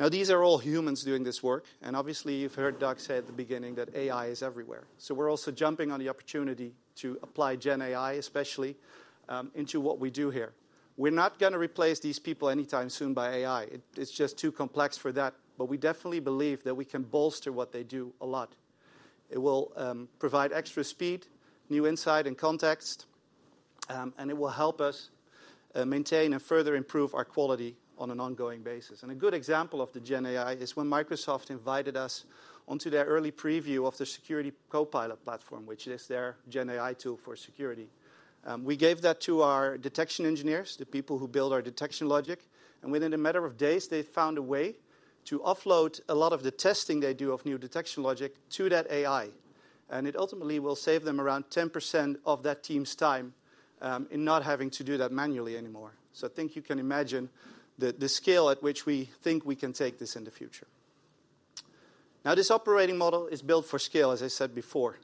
Now, these are all humans doing this work, and obviously, you've heard Doug say at the beginning that AI is everywhere. So we're also jumping on the opportunity to apply GenAI, especially into what we do here. We're not gonna replace these people anytime soon by AI. It's just too complex for that, but we definitely believe that we can bolster what they do a lot. It will provide extra speed, new insight, and context, and it will help us maintain and further improve our quality on an ongoing basis. And a good example of the GenAI is when Microsoft invited us onto their early preview of the Security Copilot platform, which is their GenAI tool for security. We gave that to our detection engineers, the people who build our detection logic, and within a matter of days, they found a way to offload a lot of the testing they do of new detection logic to that AI, and it ultimately will save them around 10% of that team's time, in not having to do that manually anymore. So I think you can imagine the scale at which we think we can take this in the future. Now, this operating model is built for scale, as I said before,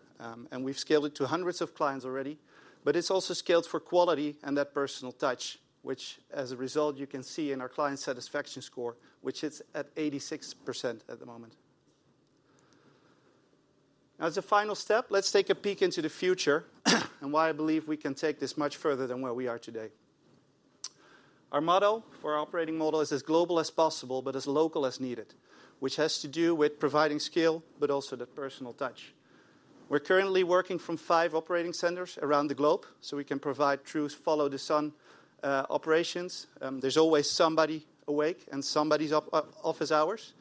and we've scaled it to hundreds of clients already, but it's also scaled for quality and that personal touch, which, as a result, you can see in our client satisfaction score, which is at 86% at the moment. As a final step, let's take a peek into the future and why I believe we can take this much further than where we are today. Our model, our operating model, is as global as possible, but as local as needed, which has to do with providing scale, but also that personal touch. We're currently working from five operating centers around the globe, so we can provide true follow-the-sun operations. There's always somebody awake, and somebody's office hours.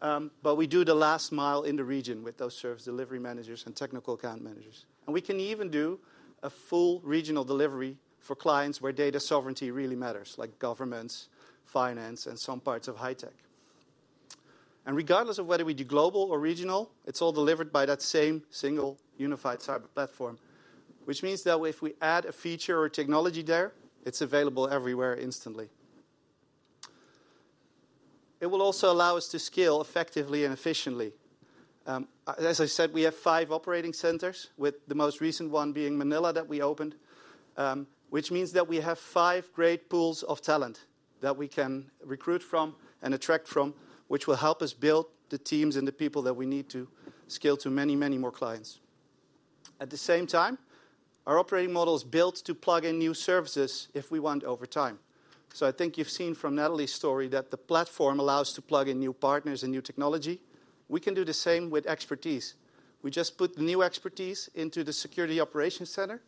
But we do the last mile in the region with those service delivery managers and technical account managers. And we can even do a full regional delivery for clients where data sovereignty really matters, like governments, finance, and some parts of high tech. Regardless of whether we do global or regional, it's all delivered by that same single Unified Cyber Platform, which means that if we add a feature or technology there, it's available everywhere instantly. It will also allow us to scale effectively and efficiently. As I said, we have five operating centers, with the most recent one being Manila, that we opened, which means that we have five great pools of talent that we can recruit from and attract from, which will help us build the teams and the people that we need to scale to many, many more clients. At the same time, our operating model is built to plug in new services if we want over time. So I think you've seen from Natalie's story that the platform allows to plug in new partners and new technology. We can do the same with expertise. We just put the new expertise into the security operations center,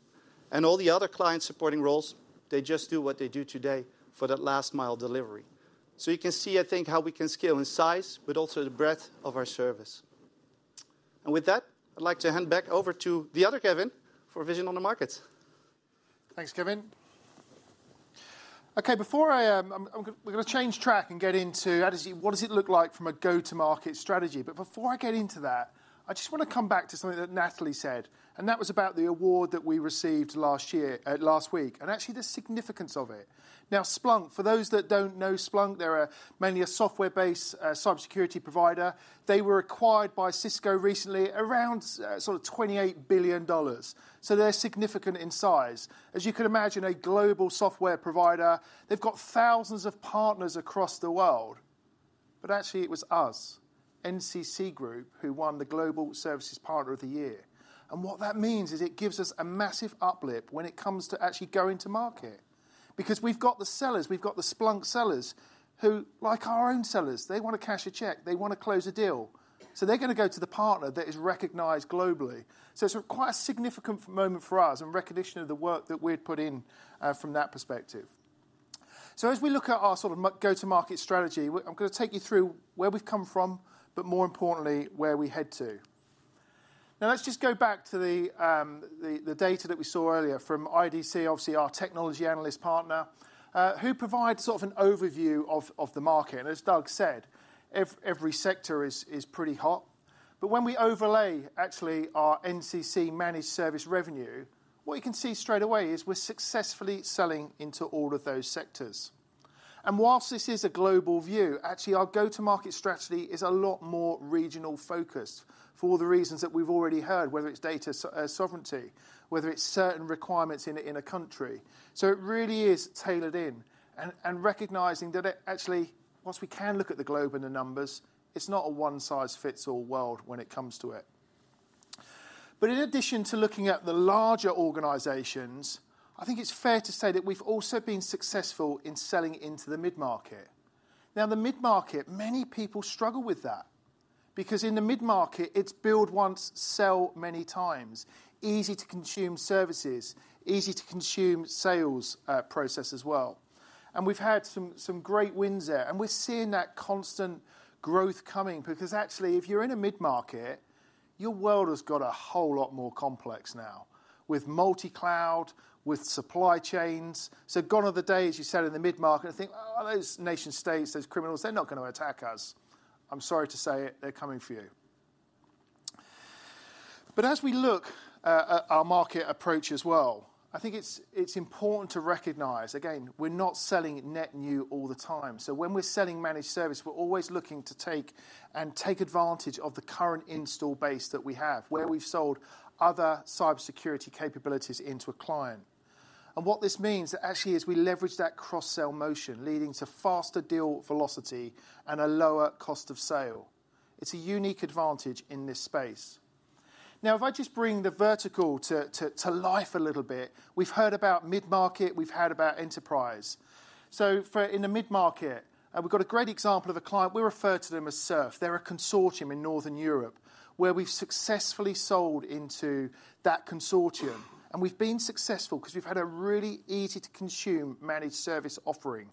and all the other client-supporting roles, they just do what they do today for that last-mile delivery. So you can see, I think, how we can scale in size, but also the breadth of our service. And with that, I'd like to hand back over to the other Kevin for vision on the markets. Thanks, Kevin. Okay, before I, we're gonna change track and get into what does it look like from a go-to-market strategy? But before I get into that, I just wanna come back to something that Natalie said, and that was about the award that we received last year, last week, and actually the significance of it. Now, Splunk, for those that don't know Splunk, they're a mainly a software-based cybersecurity provider. They were acquired by Cisco recently, around sort of $28 billion, so they're significant in size. As you can imagine, a global software provider, they've got thousands of partners across the world, but actually it was us, NCC Group, who won the Global Services Partner of the Year. And what that means is it gives us a massive uplift when it comes to actually going to market. Because we've got the sellers, we've got the Splunk sellers, who, like our own sellers, they wanna cash a check, they wanna close a deal, so they're gonna go to the partner that is recognized globally. So it's quite a significant moment for us and recognition of the work that we've put in from that perspective. So as we look at our sort of go-to-market strategy, I'm gonna take you through where we've come from, but more importantly, where we head to. Now, let's just go back to the data that we saw earlier from IDC, obviously our technology analyst partner, who provide sort of an overview of the market. And as Doug said, every sector is pretty hot. But when we overlay actually our NCC managed service revenue, what you can see straight away is we're successfully selling into all of those sectors. And while this is a global view, actually our go-to-market strategy is a lot more regional-focused for all the reasons that we've already heard, whether it's data sovereignty, whether it's certain requirements in a, in a country. So it really is tailored in, and, and recognizing that actually, while we can look at the globe and the numbers, it's not a one-size-fits-all world when it comes to it. But in addition to looking at the larger organizations, I think it's fair to say that we've also been successful in selling into the mid-market. Now, the mid-market, many people struggle with that, because in the mid-market, it's build once, sell many times, easy-to-consume services, easy-to-consume sales process as well. We've had some great wins there, and we're seeing that constant growth coming because actually, if you're in a mid-market, your world has got a whole lot more complex now with multi-cloud, with supply chains. So gone are the days you sell in the mid-market and think, "Oh, those nation states, those criminals, they're not gonna attack us." I'm sorry to say it, they're coming for you. But as we look at our market approach as well, I think it's important to recognize, again, we're not selling net new all the time. So when we're selling managed service, we're always looking to take advantage of the current installed base that we have, where we've sold other cybersecurity capabilities into a client. And what this means actually is we leverage that cross-sell motion, leading to faster deal velocity and a lower cost of sale. It's a unique advantage in this space. Now, if I just bring the vertical to life a little bit, we've heard about mid-market, we've heard about enterprise. So, in the mid-market, we've got a great example of a client, we refer to them as SURF. They're a consortium in Northern Europe, where we've successfully sold into that consortium. And we've been successful 'cause we've had a really easy-to-consume managed service offering.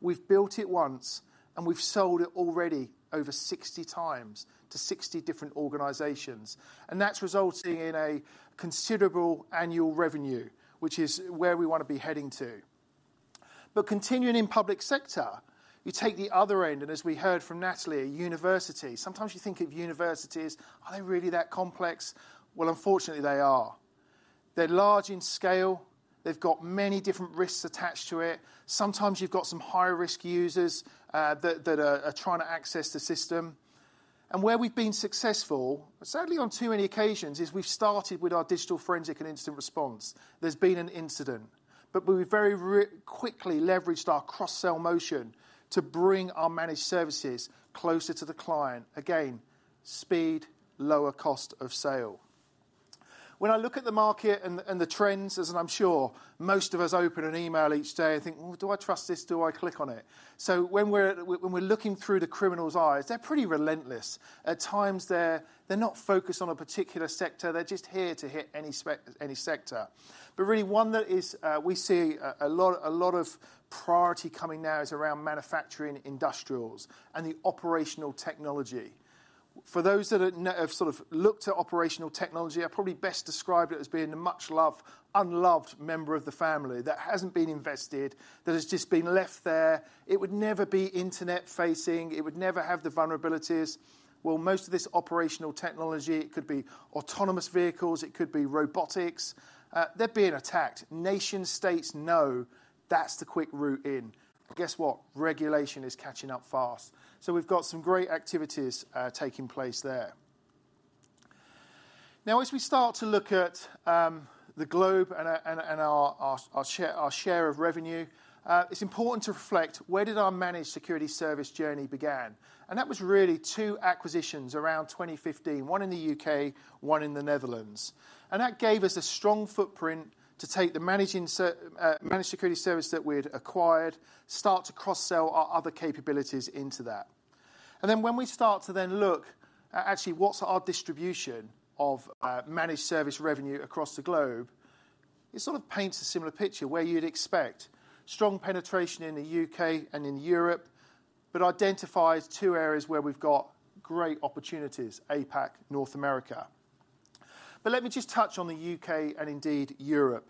We've built it once, and we've sold it already over 60 times to 60 different organizations, and that's resulting in a considerable annual revenue, which is where we wanna be heading to. But continuing in public sector, you take the other end, and as we heard from Natalie, a university. Sometimes you think of universities, are they really that complex? Well, unfortunately, they are. They're large in scale. They've got many different risks attached to it. Sometimes you've got some high-risk users that are trying to access the system. And where we've been successful, sadly, on too many occasions, is we've started with our digital forensics and incident response. There's been an incident, but we very quickly leveraged our cross-sell motion to bring our managed services closer to the client. Again, speed, lower cost of sale. When I look at the market and the trends, and I'm sure most of us open an email each day and think: "Well, do I trust this? Do I click on it?" So when we're looking through the criminal's eyes, they're pretty relentless. At times, they're not focused on a particular sector, they're just here to hit any sector. But really, one that is, we see a lot, a lot of priority coming now is around manufacturing industrials and the operational technology. For those that have have sort of looked at operational technology, I'd probably best. describe it as being the much-loved, unloved member of the family that hasn't been invested, that has just been left there. It would never be internet-facing, it would never have the vulnerabilities. Well, most of this operational technology, it could be autonomous vehicles, it could be robotics, they're being attacked. Nation states know that's the quick route in. And guess what? Regulation is catching up fast. So we've got some great activities taking place there. Now, as we start to look at the globe and our share of revenue, it's important to reflect, where did our managed security service journey began? And that was really two acquisitions around 2015, one in the U.K., one in the Netherlands, and that gave us a strong footprint to take the managed security service that we had acquired, start to cross-sell our other capabilities into that. And then, when we start to look at actually what's our distribution of managed service revenue across the globe, it sort of paints a similar picture where you'd expect strong penetration in the U.K. and in Europe, but identifies two areas where we've got great opportunities: APAC, North America. But let me just touch on the U.K. and indeed Europe.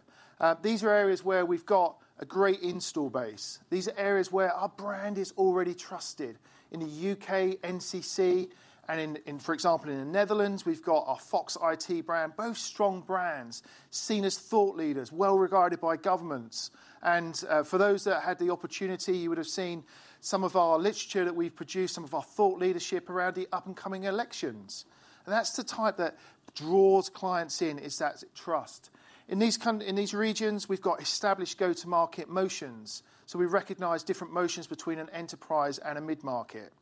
These are areas where we've got a great install base. These are areas where our brand is already trusted. In the U.K., NCC, and in, for example, in the Netherlands, we've got our Fox-IT brand, both strong brands, seen as thought leaders, well regarded by governments. And, for those that had the opportunity, you would have seen some of our literature that we've produced, some of our thought leadership around the up-and-coming elections, and that's the type that draws clients in, is that trust. In these regions, we've got established go-to-market motions, so we recognize different motions between an enterprise and a mid-market.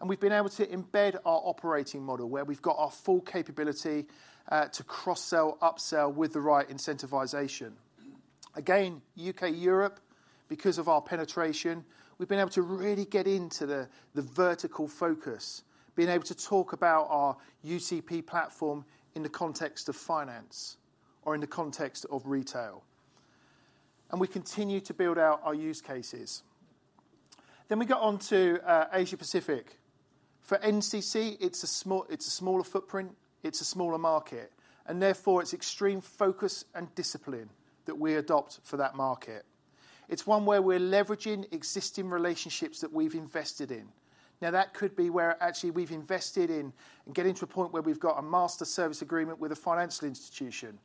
And we've been able to embed our operating model, where we've got our full capability, to cross-sell, upsell with the right incentivization. Again, U.K., Europe, because of our penetration, we've been able to really get into the, the vertical focus, been able to talk about our UCP platform in the context of finance or in the context of retail, and we continue to build out our use cases. Then we got onto Asia-Pacific. For NCC, it's a small, it's a smaller footprint, it's a smaller market, and therefore, it's extreme focus and discipline that we adopt for that market. It's one where we're leveraging existing relationships that we've invested in. Now, that could be where actually we've invested in getting to a point where we've got a master services agreement with a financial institution.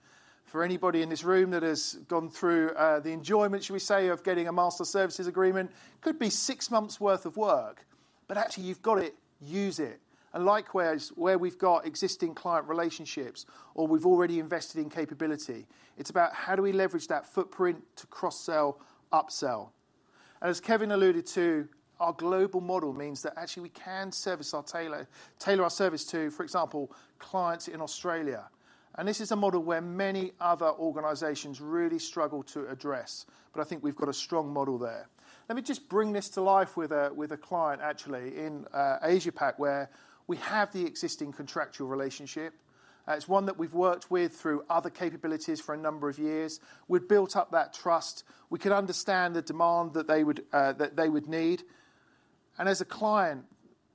For anybody in this room that has gone through the enjoyment, should we say, of getting a master services agreement, could be six months' worth of work, but actually, you've got to use it. And likewise, where we've got existing client relationships, or we've already invested in capability, it's about how do we leverage that footprint to cross-sell, upsell? And as Kevin alluded to, our global model means that actually we can service our tailor, tailor our service to, for example, clients in Australia, and this is a model where many other organizations really struggle to address, but I think we've got a strong model there. Let me just bring this to life with a, with a client, actually, in Asia Pac, where we have the existing contractual relationship. It's one that we've worked with through other capabilities for a number of years. We've built up that trust. We can understand the demand that they would that they would need, and as a client,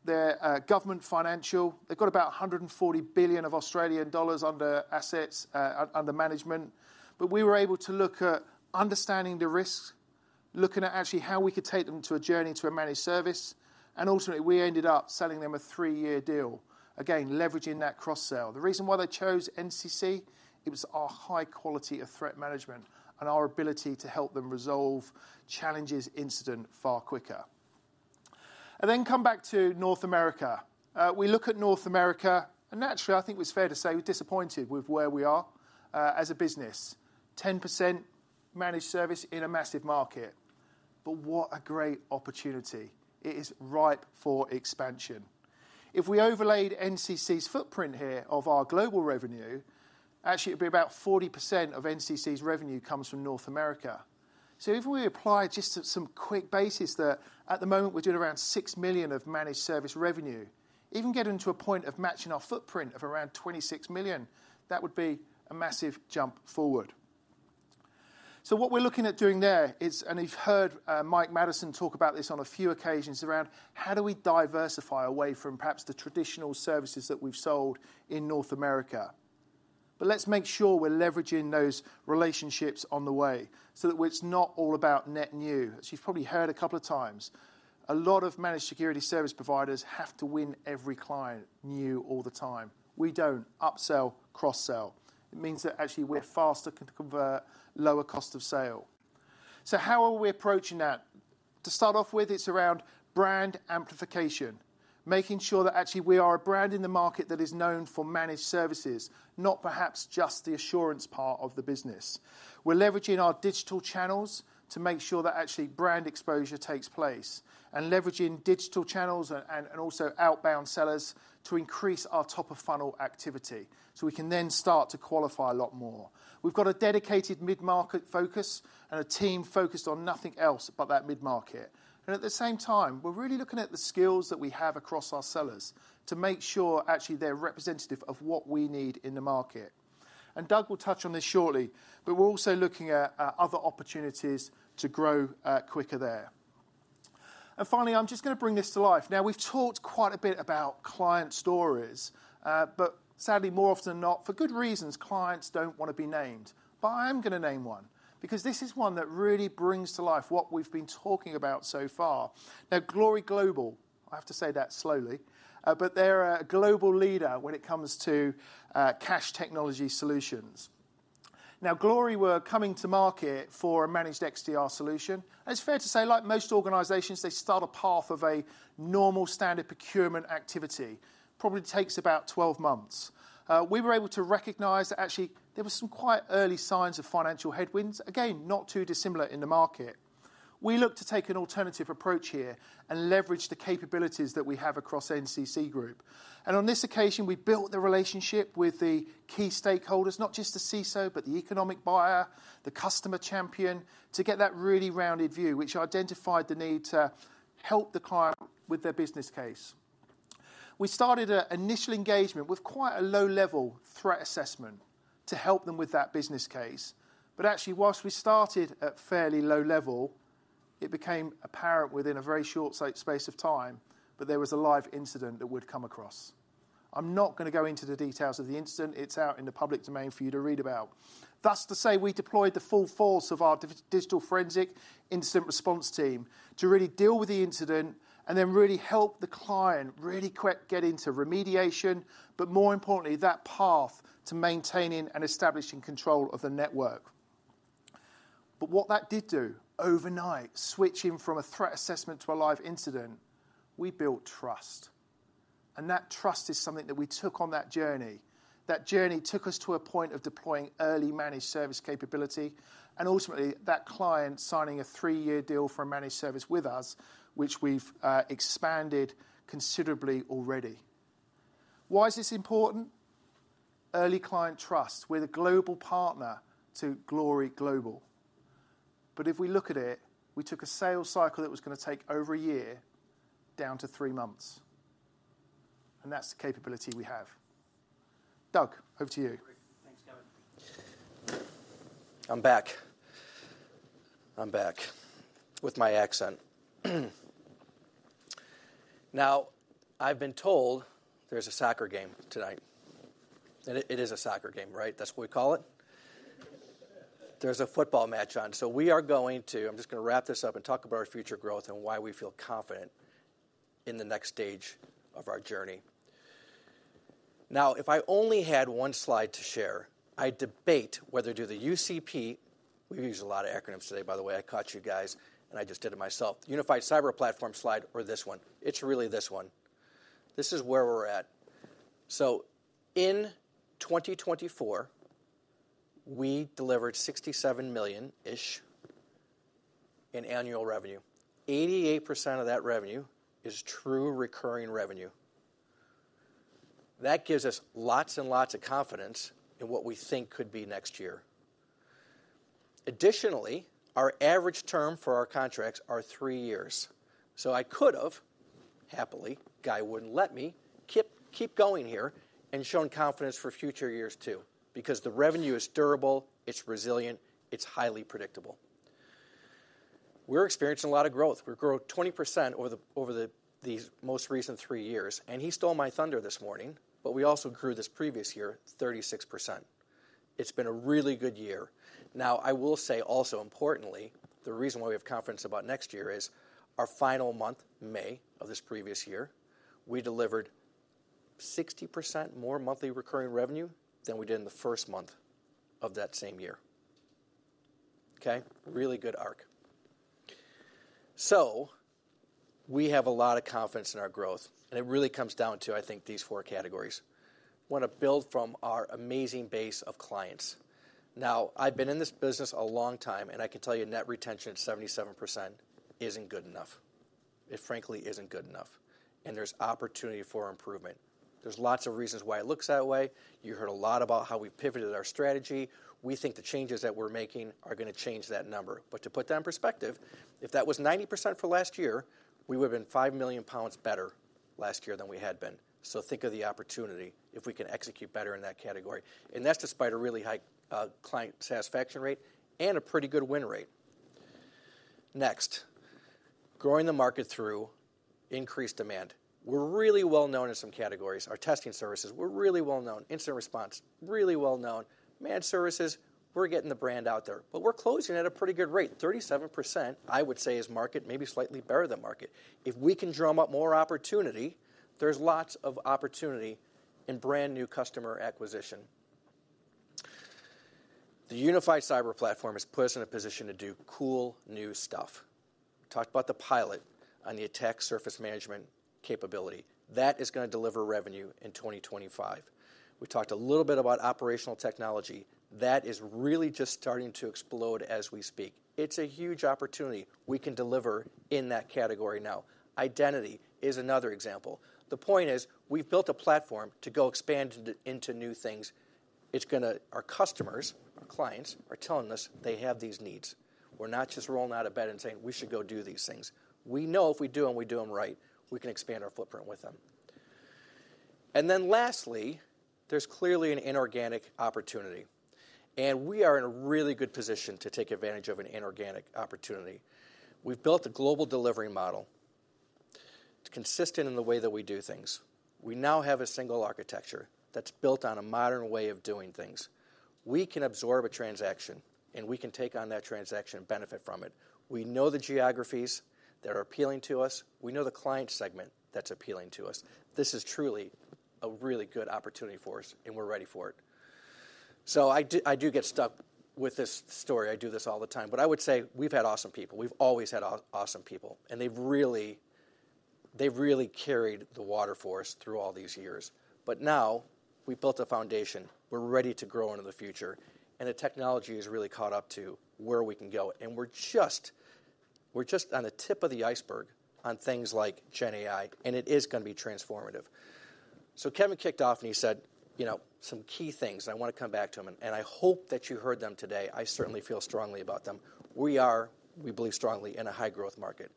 they're government financial. They've got about 140 billion under assets under management. But we were able to look at understanding the risks, looking at actually how we could take them to a journey to a managed service, and ultimately, we ended up selling them a three-year deal. Again, leveraging that cross-sell. The reason why they chose NCC, it was our high quality of threat management and our ability to help them resolve challenges incident far quicker. And then come back to North America. We look at North America, and naturally, I think it's fair to say we're disappointed with where we are, as a business. 10% managed service in a massive market, but what a great opportunity. It is ripe for expansion. If we overlaid NCC's footprint here of our global revenue, actually, it'd be about 40% of NCC's revenue comes from North America. So if we apply just some quick basis there, at the moment, we're doing around 6 million of managed service revenue. Even getting to a point of matching our footprint of around 26 million, that would be a massive jump forward. So what we're looking at doing there is, and you've heard, Mike Maddison talk about this on a few occasions, around how do we diversify away from perhaps the traditional services that we've sold in North America? But let's make sure we're leveraging those relationships on the way so that it's not all about net new. As you've probably heard a couple of times, a lot of managed security service providers have to win every client new all the time. We don't. Upsell, cross-sell. It means that actually we're faster to convert, lower cost of sale. So how are we approaching that? To start off with, it's around brand amplification, making sure that actually we are a brand in the market that is known for managed services, not perhaps just the assurance part of the business. We're leveraging our digital channels to make sure that actually brand exposure takes place, and also outbound sellers to increase our top-of-funnel activity, so we can then start to qualify a lot more. We've got a dedicated mid-market focus and a team focused on nothing else but that mid-market. And at the same time, we're really looking at the skills that we have across our sellers to make sure actually they're representative of what we need in the market. Doug will touch on this shortly, but we're also looking at, at other opportunities to grow quicker there. And finally, I'm just gonna bring this to life. Now, we've talked quite a bit about client stories, but sadly, more often than not, for good reasons, clients don't wanna be named. But I'm gonna name one, because this is one that really brings to life what we've been talking about so far. Now, Glory Global, I have to say that slowly, but they're a global leader when it comes to cash technology solutions. Now, Glory were coming to market for a managed XDR solution, and it's fair to say, like most organizations, they start a path of a normal standard procurement activity, probably takes about 12 months. We were able to recognize that actually there were some quite early signs of financial headwinds, again, not too dissimilar in the market. We looked to take an alternative approach here and leverage the capabilities that we have across NCC Group. On this occasion, we built the relationship with the key stakeholders, not just the CISO, but the economic buyer, the customer champion, to get that really rounded view, which identified the need to help the client with their business case. We started an initial engagement with quite a low-level threat assessment to help them with that business case. But actually, whilst we started at fairly low level, it became apparent within a very short space of time that there was a live incident that we'd come across. I'm not gonna go into the details of the incident. It's out in the public domain for you to read about. Thus, to say we deployed the full force of our digital forensic incident response team to really deal with the incident and then really help the client really quick get into remediation, but more importantly, that path to maintaining and establishing control of the network. But what that did do, overnight, switching from a threat assessment to a live incident, we built trust, and that trust is something that we took on that journey. That journey took us to a point of deploying early managed service capability, and ultimately, that client signing a three-year deal for a managed service with us, which we've expanded considerably already. Why is this important? Early client trust. We're the global partner to Glory Global. If we look at it, we took a sales cycle that was gonna take over a year down to 3 months, and that's the capability we have. Doug, over to you. Thanks, Kevin. I'm back. I'm back with my accent. Now, I've been told there's a soccer game tonight. And it, it is a soccer game, right? That's what we call it? There's a football match on, so we are going to... I'm just gonna wrap this up and talk about our future growth and why we feel confident in the next stage of our journey. Now, if I only had one slide to share, I'd debate whether to do the UCP, we've used a lot of acronyms today, by the way, I caught you guys, and I just did it myself, Unified Cyber Platform slide, or this one. It's really this one. This is where we're at. So in 2024, we delivered 67 million-ish in annual revenue. 88% of that revenue is true recurring revenue. That gives us lots and lots of confidence in what we think could be next year. Additionally, our average term for our contracts are three years, so I could've, happily, Guy wouldn't let me, keep, keep going here and shown confidence for future years, too, because the revenue is durable, it's resilient, it's highly predictable. We're experiencing a lot of growth. We grew 20% over the, over the, these most recent three years, and he stole my thunder this morning, but we also grew this previous year, 36%. It's been a really good year. Now, I will say also, importantly, the reason why we have confidence about next year is our final month, May, of this previous year, we delivered 60% more monthly recurring revenue than we did in the first month of that same year. Okay? Really good arc. So we have a lot of confidence in our growth, and it really comes down to, I think, these four categories. Wanna build from our amazing base of clients. Now, I've been in this business a long time, and I can tell you net retention at 77% isn't good enough. It frankly isn't good enough, and there's opportunity for improvement. There's lots of reasons why it looks that way. You heard a lot about how we've pivoted our strategy. We think the changes that we're making are gonna change that number. But to put that in perspective, if that was 90% for last year, we would've been 5 million pounds better last year than we had been. So think of the opportunity if we can execute better in that category, and that's despite a really high client satisfaction rate and a pretty good win rate. Next, growing the market through increased demand. We're really well known in some categories. Our testing services, we're really well known. Incident response, really well known. Managed services, we're getting the brand out there, but we're closing at a pretty good rate. 37%, I would say, is market, maybe slightly better than market. If we can drum up more opportunity, there's lots of opportunity in brand-new customer acquisition.... The Unified Cyber Platform has put us in a position to do cool new stuff. Talked about the pilot on the attack surface management capability. That is gonna deliver revenue in 2025. We talked a little bit about operational technology, that is really just starting to explode as we speak. It's a huge opportunity we can deliver in that category now. Identity is another example. The point is, we've built a platform to go expand into, into new things. It's gonna. Our customers, our clients, are telling us they have these needs. We're not just rolling out of bed and saying, "We should go do these things." We know if we do them, we do them right, we can expand our footprint with them. And then lastly, there's clearly an inorganic opportunity, and we are in a really good position to take advantage of an inorganic opportunity. We've built a global delivery model. It's consistent in the way that we do things. We now have a single architecture that's built on a modern way of doing things. We can absorb a transaction, and we can take on that transaction and benefit from it. We know the geographies that are appealing to us. We know the client segment that's appealing to us. This is truly a really good opportunity for us, and we're ready for it. So I do, I do get stuck with this story. I do this all the time. But I would say we've had awesome people. We've always had awesome people, and they've really, they've really carried the water for us through all these years. But now, we've built a foundation, we're ready to grow into the future, and the technology has really caught up to where we can go. And we're just, we're just on the tip of the iceberg on things like GenAI, and it is gonna be transformative. So Kevin kicked off, and he said, you know, some key things, and I wanna come back to them, and, and I hope that you heard them today. I certainly feel strongly about them. We are, we believe, strongly in a high-growth market.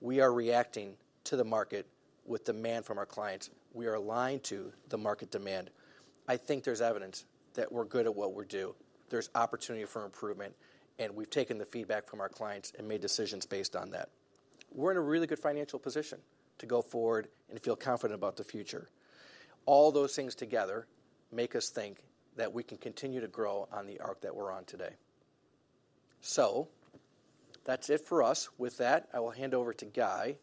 We are reacting to the market with demand from our clients. We are aligned to the market demand. I think there's evidence that we're good at what we do. There's opportunity for improvement, and we've taken the feedback from our clients and made decisions based on that. We're in a really good financial position to go forward and feel confident about the future. All those things together make us think that we can continue to grow on the arc that we're on today. So that's it for us. With that, I will hand over to Guy,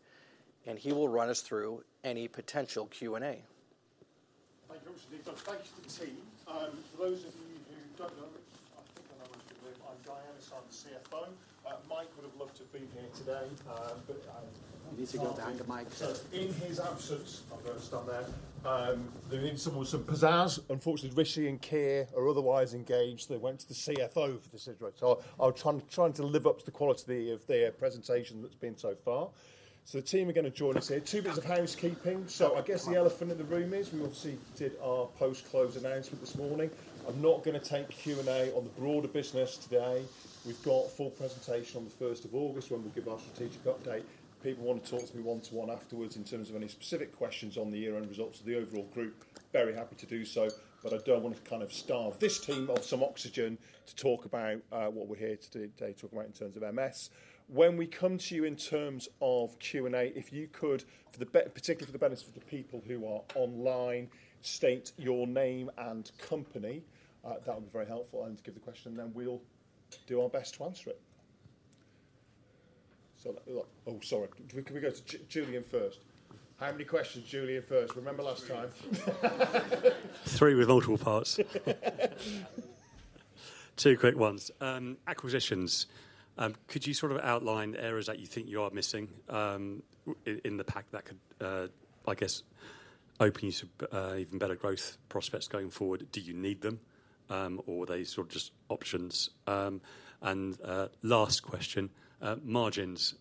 and he will run us through any potential Q&A. Thank you. Thanks to the team. For those of you who don't know, I think I'm Guy Ellis, CFO. Mike would have loved to be here today, but- You need to go to hang with Mike. In his absence, I'm gonna stand there, they need someone with some pizzazz. Unfortunately, Rishi and Keir are otherwise engaged. They went to the CFO of Decidueye, so I'll try, trying to live up to the quality of their presentation that's been so far. The team are gonna join us here. Two bits of housekeeping. I guess the elephant in the room is, we obviously did our post-close announcement this morning. I'm not gonna take Q&A on the broader business today. We've got a full presentation on the first of August, when we'll give our strategic update. If people want to talk to me one-to-one afterwards in terms of any specific questions on the year-end results of the overall group, very happy to do so, but I don't want to kind of starve this team of some oxygen to talk about what we're here to do today, talk about in terms of MS. When we come to you in terms of Q&A, if you could, particularly for the benefit of the people who are online, state your name and company, that would be very helpful, and give the question, and then we'll do our best to answer it. Oh, sorry. Can we go to Julian first? How many questions, Julian first? Remember last time. Three. Three with multiple parts. Two quick ones. Acquisitions, could you sort of outline the areas that you think you are missing, in the pack that could, I guess, open you to better growth prospects going forward? Do you need them, or are they sort of just options? And, last question, margins.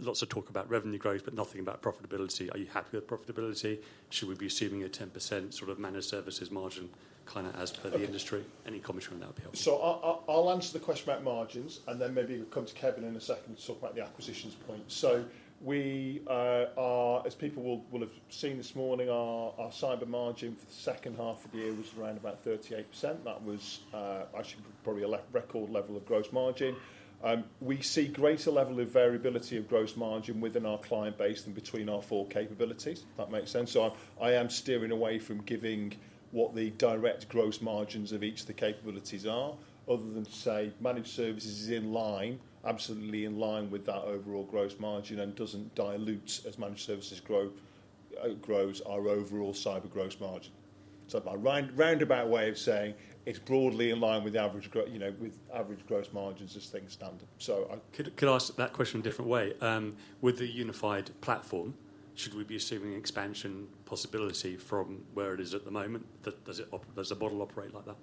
Lots of talk about revenue growth, but nothing about profitability. Are you happy with profitability? Should we be seeing a 10% sort of managed services margin, kinda as per the industry? Any comment on that would be helpful. So I'll answer the question about margins, and then maybe we'll come to Kevin in a second to talk about the acquisitions point. So we are, as people will have seen this morning, our cyber margin for the second half of the year was around about 38%. That was actually probably a record level of gross margin. We see greater level of variability of gross margin within our client base and between our four capabilities. If that makes sense. So I am steering away from giving what the direct gross margins of each of the capabilities are, other than to say, managed services is in line, absolutely in line with that overall gross margin and doesn't dilute as managed services grow, outgrows our overall cyber gross margin. So my roundabout way of saying it's broadly in line with the average gross, you know, with average gross margins as things stand. Could I ask that question a different way? With the unified platform, should we be assuming expansion possibility from where it is at the moment? Does the model operate like that?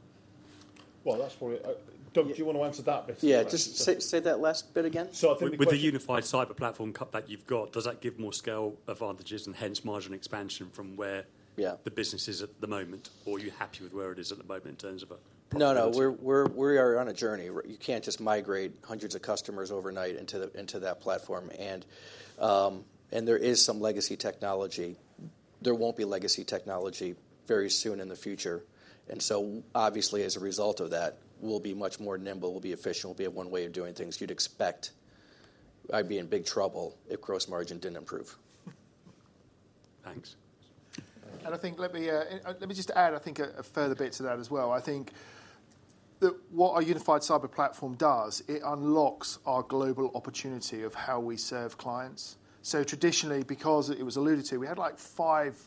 Well, that's for Doug. Do you want to answer that bit? Yeah, just say that last bit again. I think the question- With the Unified Cyber Platform, UCP, that you've got, does that give more scale advantages and hence margin expansion from where- Yeah... the business is at the moment, or are you happy with where it is at the moment in terms of a profitability? No, no, we're on a journey, right? You can't just migrate hundreds of customers overnight into that platform. And there is some legacy technology. There won't be legacy technology very soon in the future, and so obviously, as a result of that, we'll be much more nimble, we'll be efficient, we'll be at one way of doing things. You'd expect I'd be in big trouble if gross margin didn't improve. Thanks. I think, let me just add a further bit to that as well. I think that what our Unified Cyber Platform does, it unlocks our global opportunity of how we serve clients. So traditionally, because it was alluded to, we had, like, five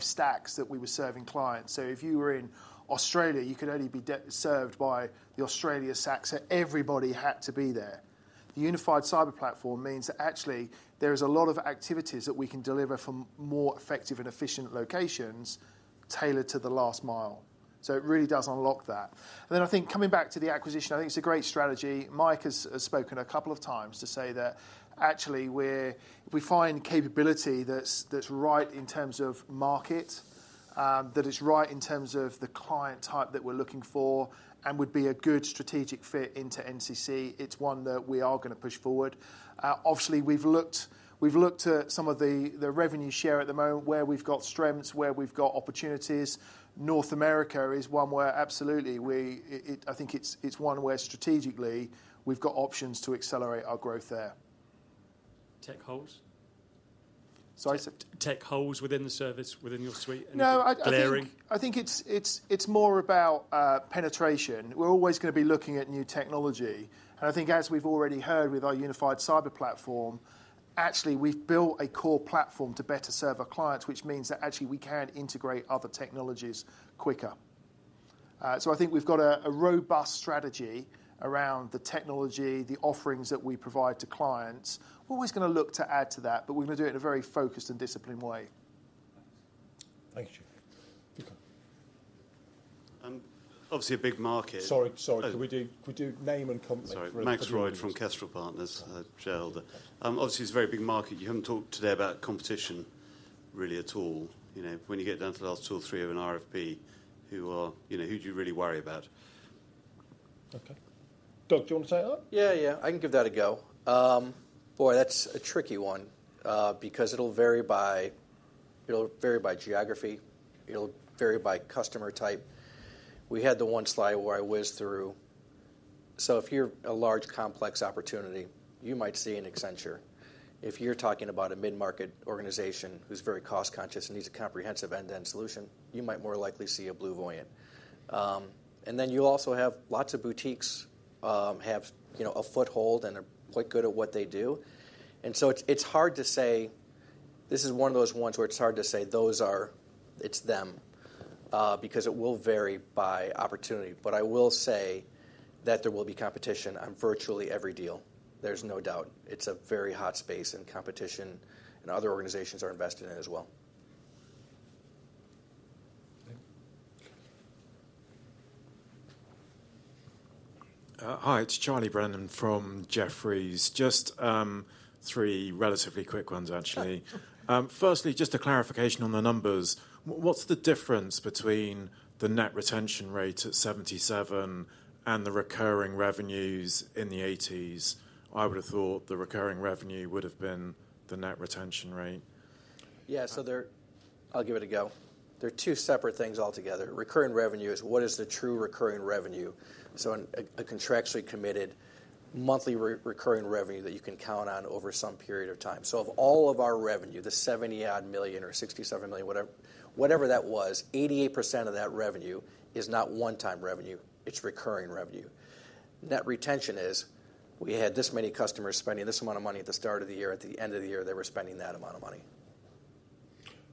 stacks that we were serving clients. So if you were in Australia, you could only be served by the Australia stack, so everybody had to be there. The Unified Cyber Platform means that actually there is a lot of activities that we can deliver from more effective and efficient locations tailored to the last mile. So it really does unlock that. And then I think coming back to the acquisition, I think it's a great strategy. Mike has spoken a couple of times to say that actually we're if we find capability that's right in terms of market, that is right in terms of the client type that we're looking for and would be a good strategic fit into NCC, it's one that we are gonna push forward. Obviously, we've looked at some of the revenue share at the moment, where we've got strengths, where we've got opportunities. North America is one where absolutely we, I think it's one where strategically we've got options to accelerate our growth there. Tech holes? Sorry? Tech holes within the service, within your suite, anything glaring? No, I think it's more about penetration. We're always gonna be looking at new technology, and I think as we've already heard with our Unified Cyber Platform, actually, we've built a core platform to better serve our clients, which means that actually we can integrate other technologies quicker. So I think we've got a robust strategy around the technology, the offerings that we provide to clients. We're always gonna look to add to that, but we're gonna do it in a very focused and disciplined way. Thank you. Obviously a big market- Sorry, sorry. Could we do name and company? Sorry. Max Royde from Kestrel Partners, shareholder. Obviously, it's a very big market. You haven't talked today about competition really at all. You know, when you get down to the last two or three of an RFP, who are... You know, who do you really worry about? Okay. Doug, do you want to take that? Yeah, yeah, I can give that a go. Boy, that's a tricky one, because it'll vary by, it'll vary by geography, it'll vary by customer type. We had the one slide where I whizzed through. So if you're a large, complex opportunity, you might see an Accenture. If you're talking about a mid-market organization who's very cost conscious and needs a comprehensive end-to-end solution, you might more likely see a BlueVoyant. And then you also have lots of boutiques, have, you know, a foothold, and they're quite good at what they do. And so it's, it's hard to say. This is one of those ones where it's hard to say, those are, it's them, because it will vary by opportunity. But I will say that there will be competition on virtually every deal. There's no doubt. It's a very hot space, and competition and other organizations are invested in it as well. Hi, it's Charlie Brennan from Jefferies. Just three relatively quick ones, actually. Firstly, just a clarification on the numbers. What's the difference between the net retention rate at 77% and the recurring revenues in the 80s? I would've thought the recurring revenue would've been the net retention rate. Yeah, so they're... I'll give it a go. They're two separate things altogether. Recurring revenue is what is the true recurring revenue, so a contractually committed monthly recurring revenue that you can count on over some period of time. So of all of our revenue, the 70-odd million or 67 million, whatever, whatever that was, 88% of that revenue is not one-time revenue, it's recurring revenue. Net retention is, we had this many customers spending this amount of money at the start of the year, at the end of the year, they were spending that amount of money.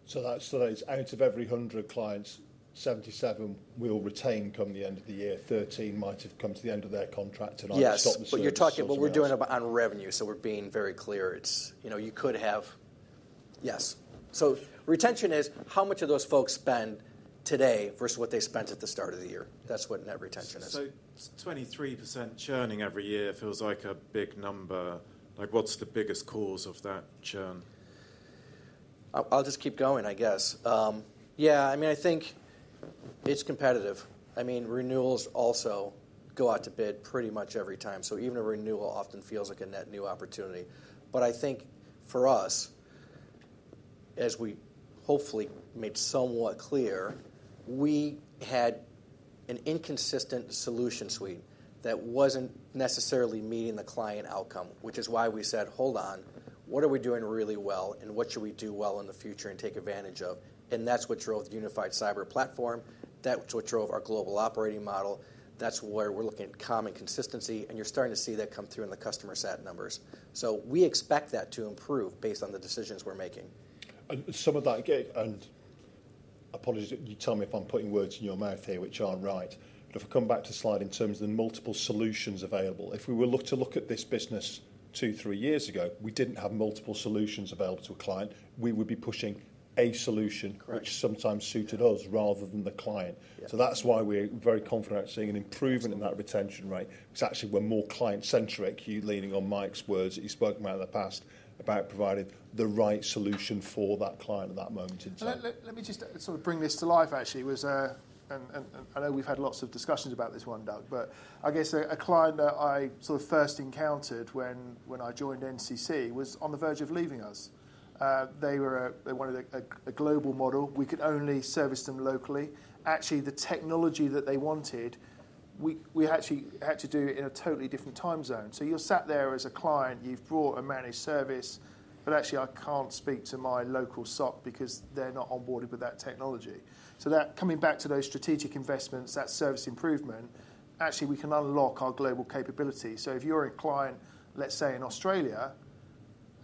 So that is out of every 100 clients, 77 we'll retain come the end of the year, 13 might have come to the end of their contract and either stop the service- Yes, but you're talking, but we're doing it on revenue, so we're being very clear. It's, you know, you could have... Yes. So retention is how much of those folks spend today versus what they spent at the start of the year. That's what net retention is. 23% churning every year feels like a big number. Like, what's the biggest cause of that churn? I'll just keep going, I guess. Yeah, I mean, I think it's competitive. I mean, renewals also go out to bid pretty much every time, so even a renewal often feels like a net new opportunity. But I think for us, as we hopefully made somewhat clear, we had an inconsistent solution suite that wasn't necessarily meeting the client outcome, which is why we said, "Hold on, what are we doing really well, and what should we do well in the future and take advantage of?" And that's what drove the Unified Cyber Platform, that's what drove our global operating model, that's where we're looking at common consistency, and you're starting to see that come through in the customer sat numbers. So we expect that to improve based on the decisions we're making. And some of that, again, and apologies, you tell me if I'm putting words in your mouth here which aren't right. But if we come back to the slide in terms of the multiple solutions available, if we were to look at this business two, three years ago, we didn't have multiple solutions available to a client. We would be pushing a solution- Correct... which sometimes suited us rather than the client. Yeah. So that's why we're very confident in seeing an improvement- Absolutely... in that retention rate, because actually we're more client centric. You're leaning on Mike's words that you've spoken about in the past, about providing the right solution for that client at that moment in time. Let me just sort of bring this to life, actually. It was, and I know we've had lots of discussions about this one, Doug, but I guess a client that I sort of first encountered when I joined NCC, was on the verge of leaving us. They wanted a global model. We could only service them locally. Actually, the technology that they wanted, we actually had to do it in a totally different time zone. So you're sat there as a client, you've brought a managed service, but actually I can't speak to my local SOC because they're not on board with that technology. So that, coming back to those strategic investments, that service improvement, actually we can unlock our global capability. So if you're a client, let's say in Australia-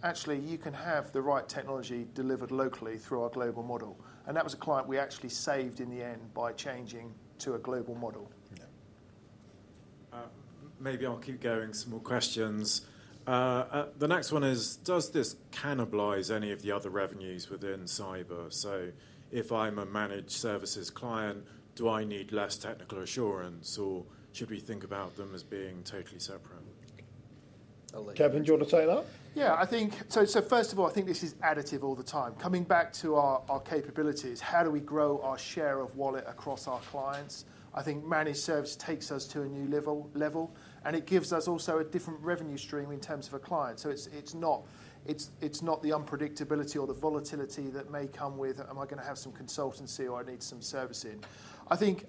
...actually, you can have the right technology delivered locally through our global model. And that was a client we actually saved in the end by changing to a global mode. Maybe I'll keep going. Some more questions. The next one is: does this cannibalize any of the other revenues within cyber? So if I'm a managed services client, do I need less technical assurance, or should we think about them as being totally separate? Kevin, do you want to take that? Yeah, I think so, so first of all, I think this is additive all the time. Coming back to our, our capabilities, how do we grow our share of wallet across our clients? I think managed service takes us to a new level, level, and it gives us also a different revenue stream in terms of a client. So it's, it's not, it's, it's not the unpredictability or the volatility that may come with, Am I gonna have some consultancy or I need some servicing? I think,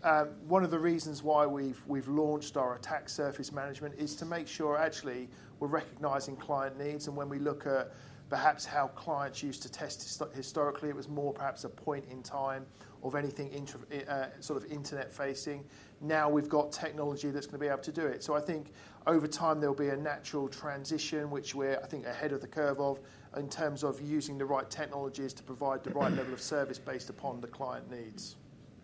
one of the reasons why we've, we've launched our attack surface management is to make sure actually we're recognizing client needs. And when we look at perhaps how clients used to test, historically, it was more perhaps a point in time of anything inter- sort of internet-facing. Now we've got technology that's gonna be able to do it. So I think over time, there'll be a natural transition, which we're, I think, ahead of the curve of, in terms of using the right technologies to provide the right level of service based upon the client needs.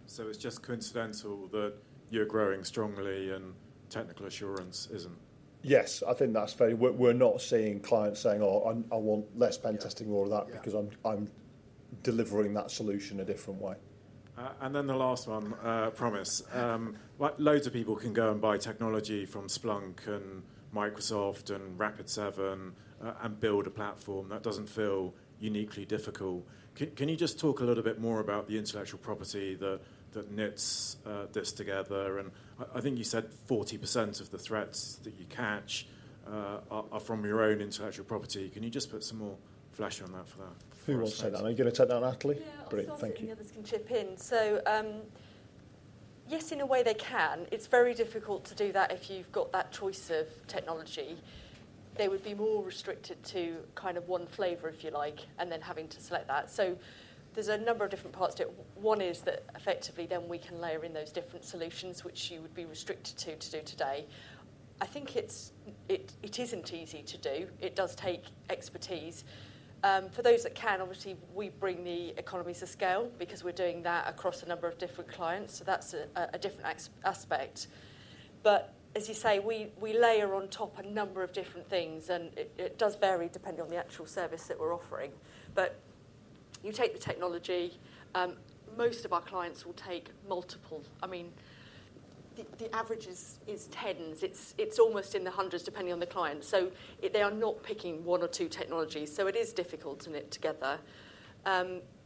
It's just coincidental that you're growing strongly and technical assurance isn't? Yes, I think that's fair. We're not seeing clients saying, "Oh, I want less pen testing or all that- Yeah. because I'm delivering that solution a different way. And then the last one, promise. Like, loads of people can go and buy technology from Splunk and Microsoft and Rapid7, and build a platform. That doesn't feel uniquely difficult. Can you just talk a little bit more about the intellectual property that knits this together? And I think you said 40% of the threats that you catch are from your own intellectual property. Can you just put some more flesh on that for that? Who wants to take that? Are you gonna take that, Natalie? Yeah. Great, thank you. I was hoping others can chip in. So, yes, in a way they can. It's very difficult to do that if you've got that choice of technology. They would be more restricted to kind of one flavor, if you like, and then having to select that. So there's a number of different parts to it. One is that effectively, then we can layer in those different solutions, which you would be restricted to, to do today. I think it isn't easy to do. It does take expertise. For those that can, obviously, we bring the economies of scale because we're doing that across a number of different clients, so that's a different aspect. But as you say, we layer on top a number of different things, and it does vary depending on the actual service that we're offering. But you take the technology, most of our clients will take multiple... I mean, the average is tens. It's almost in the hundreds, depending on the client. So they are not picking one or two technologies, so it is difficult to knit together.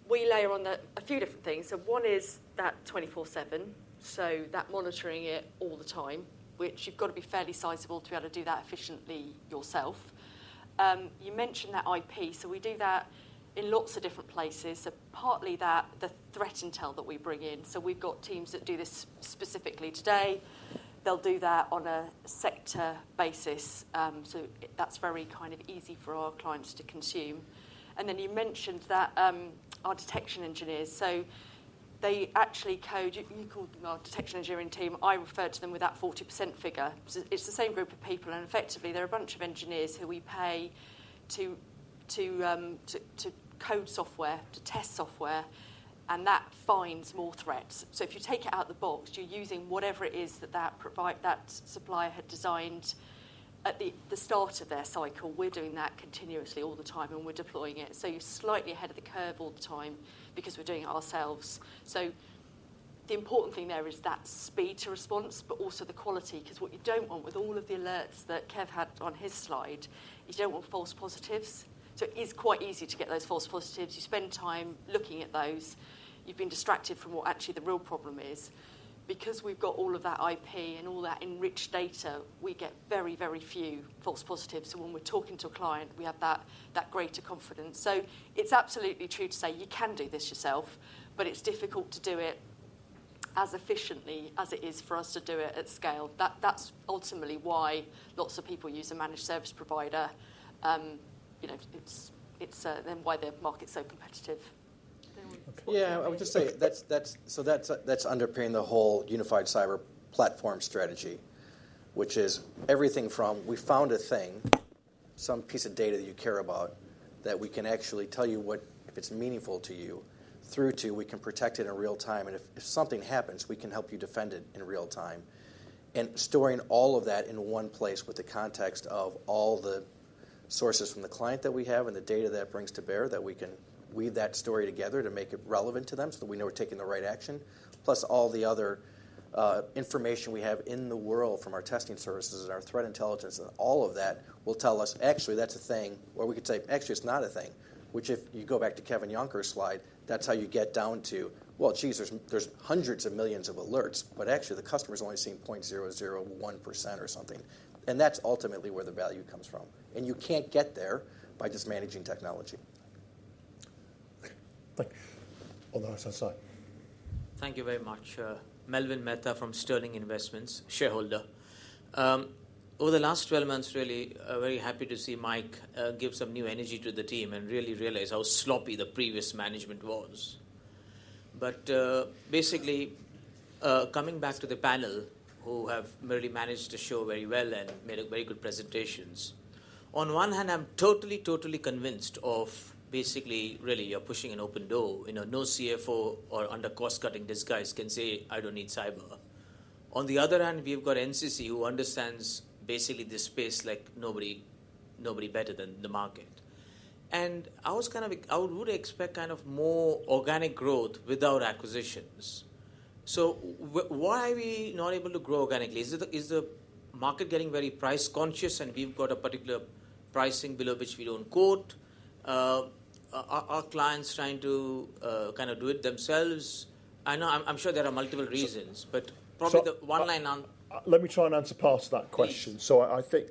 We layer on there a few different things. So one is that 24/7, so that monitoring it all the time, which you've got to be fairly sizable to be able to do that efficiently yourself. You mentioned that IP, so we do that in lots of different places. So partly that, the threat intel that we bring in. So we've got teams that do this specifically today. They'll do that on a sector basis, so that's very kind of easy for our clients to consume. And then you mentioned that, our detection engineers, so they actually code... You called them our detection engineering team. I refer to them with that 40% figure. So it's the same group of people, and effectively, they're a bunch of engineers who we pay to code software, to test software, and that finds more threats. So if you take it out of the box, you're using whatever it is that supplier had designed at the start of their cycle. We're doing that continuously all the time, and we're deploying it. So you're slightly ahead of the curve all the time because we're doing it ourselves. So the important thing there is that speed to response, but also the quality, 'cause what you don't want with all of the alerts that Kev had on his slide, is you don't want false positives. So it is quite easy to get those false positives. You spend time looking at those. You've been distracted from what actually the real problem is. Because we've got all of that IP and all that enriched data, we get very, very few false positives, so when we're talking to a client, we have that greater confidence. So it's absolutely true to say you can do this yourself, but it's difficult to do it as efficiently as it is for us to do it at scale. That's ultimately why lots of people use a managed service provider. You know, then why the market is so competitive. Yeah, I would just say that's underpinning the whole Unified Cyber Platform strategy, which is everything from, we found a thing, some piece of data that you care about, that we can actually tell you what if it's meaningful to you, through to we can protect it in real time, and if something happens, we can help you defend it in real time. And storing all of that in one place with the context of all the sources from the client that we have and the data that brings to bear, that we can weave that story together to make it relevant to them, so that we know we're taking the right action. Plus all the other information we have in the world from our testing services and our threat intelligence, and all of that will tell us, "Actually, that's a thing," or we could say, "Actually, it's not a thing." Which if you go back to Kevin Jonkers's slide, that's how you get down to, well, geez, there's, there's hundreds of millions of alerts, but actually, the customer is only seeing 0.001% or something. And that's ultimately where the value comes from. And you can't get there by just managing technology. Thank you. On the other side. Thank you very much. Melwin Mehta from Sterling Investments, shareholder. Over the last 12 months, really very happy to see Mike give some new energy to the team and really realize how sloppy the previous management was. But, basically, coming back to the panel, who have really managed to show very well and made a very good presentations. On one hand, I'm totally, totally convinced of basically, really, you're pushing an open door. You know, no CFO or under cost-cutting disguise can say, "I don't need cyber." On the other hand, we've got NCC who understands basically this space like nobody, nobody better than the market. And I was kind of, I would expect kind of more organic growth without acquisitions. So why are we not able to grow organically? Is the market getting very price-conscious, and we've got a particular pricing below which we don't quote? Are clients trying to kind of do it themselves? I know, I'm sure there are multiple reasons- So- but probably the one line an Let me try and answer part of that question. Please. So I think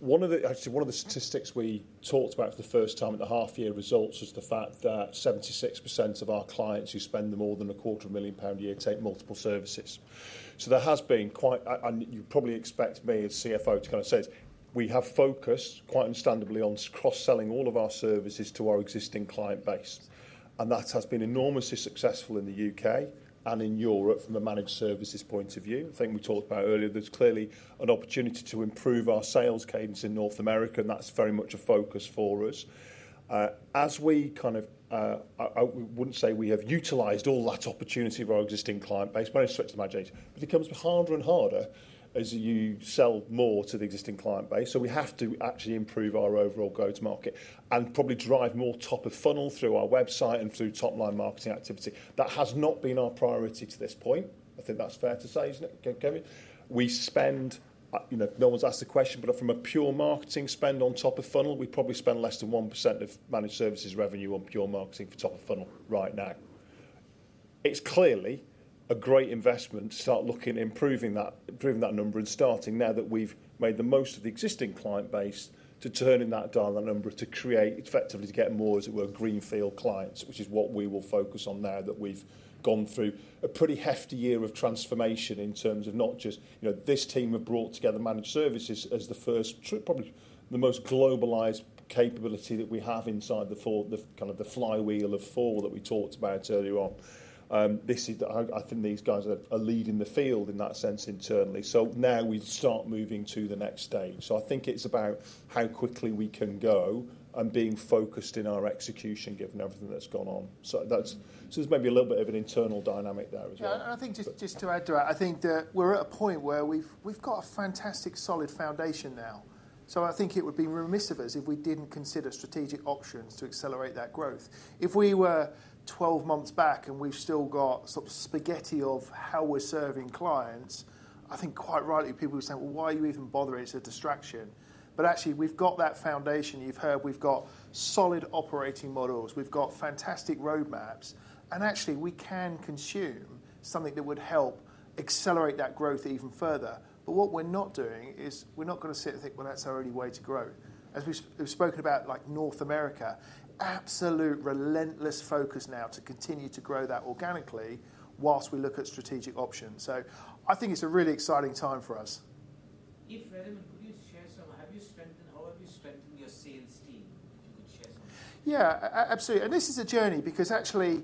one of the statistics we talked about for the first time at the half-year results is the fact that 76% of our clients who spend more than 250,000 pound a year take multiple services. So there has been quite a... and you probably expect me as CFO to kind of say it. We have focused, quite understandably, on cross-selling all of our services to our existing client base, and that has been enormously successful in the U.K. and in Europe from a managed services point of view. The thing we talked about earlier, there's clearly an opportunity to improve our sales cadence in North America, and that's very much a focus for us. As we kind of, I wouldn't say we have utilized all that opportunity of our existing client base, might switch to margins, but it becomes harder and harder as you sell more to the existing client base. So we have to actually improve our overall go-to-market and probably drive more top-of-funnel through our website and through top-line marketing activity. That has not been our priority to this point. I think that's fair to say, isn't it, Kevin? We spend, you know, no one's asked the question, but from a pure marketing spend on top-of-funnel, we probably spend less than 1% of managed services revenue on pure marketing for top-of-funnel right now. It's clearly a great investment to start looking at improving that, improving that number and starting now that we've made the most of the existing client base, to turning that dial, that number, to create effectively to get more, as it were, greenfield clients, which is what we will focus on now that we've gone through a pretty hefty year of transformation in terms of not just... You know, this team have brought together managed services as the first true, probably the most globalized capability that we have inside the four, the kind of the flywheel of four that we talked about earlier on. This is, I think these guys are leading the field in that sense internally. So now we start moving to the next stage. So I think it's about how quickly we can go and being focused in our execution, given everything that's gone on. So there's maybe a little bit of an internal dynamic there as well. Yeah, and I think just to add to that, I think that we're at a point where we've got a fantastic, solid foundation now. So I think it would be remiss of us if we didn't consider strategic options to accelerate that growth. If we were 12 months back and we've still got sort of spaghetti of how we're serving clients, I think quite rightly, people would say: "Well, why are you even bothering? It's a distraction." But actually, we've got that foundation. You've heard we've got solid operating models, we've got fantastic roadmaps, and actually, we can consume something that would help accelerate that growth even further. But what we're not doing is we're not gonna sit and think, "Well, that's our only way to grow." As we've spoken about, like North America, absolute relentless focus now to continue to grow that organically whilst we look at strategic options. So I think it's a really exciting time for us. How have you strengthened your sales team? Can you share some? Yeah, absolutely. This is a journey because actually,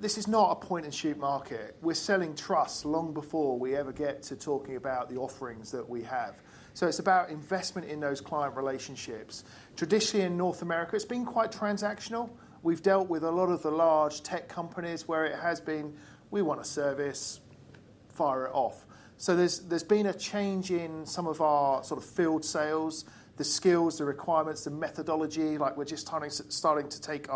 this is not a point-and-shoot market. We're selling trust long before we ever get to talking about the offerings that we have. So it's about investment in those client relationships. Traditionally, in North America, it's been quite transactional. We've dealt with a lot of the large tech companies where it has been, "We want a service, fire it off." So there's been a change in some of our sort of field sales, the skills, the requirements, the methodology. Like, we're just timing, starting to take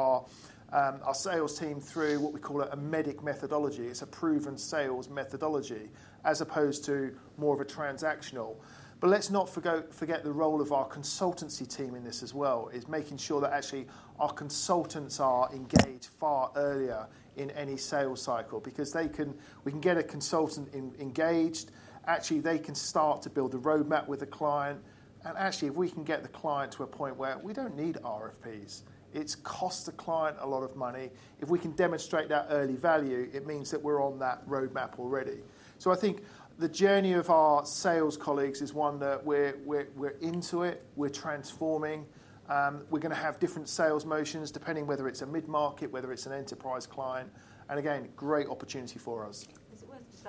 our sales team through what we call a MEDDIC methodology. It's a proven sales methodology as opposed to more of a transactional. But let's not forget the role of our consultancy team in this as well, is making sure that actually our consultants are engaged far earlier in any sales cycle because we can get a consultant engaged. Actually, they can start to build a roadmap with the client. Actually, if we can get the client to a point where we don't need RFPs, it's cost the client a lot of money. If we can demonstrate that early value, it means that we're on that roadmap already. So I think the journey of our sales colleagues is one that we're into it, we're transforming. We're gonna have different sales motions, depending whether it's a mid-market, whether it's an enterprise client, and again, great opportunity for us. Is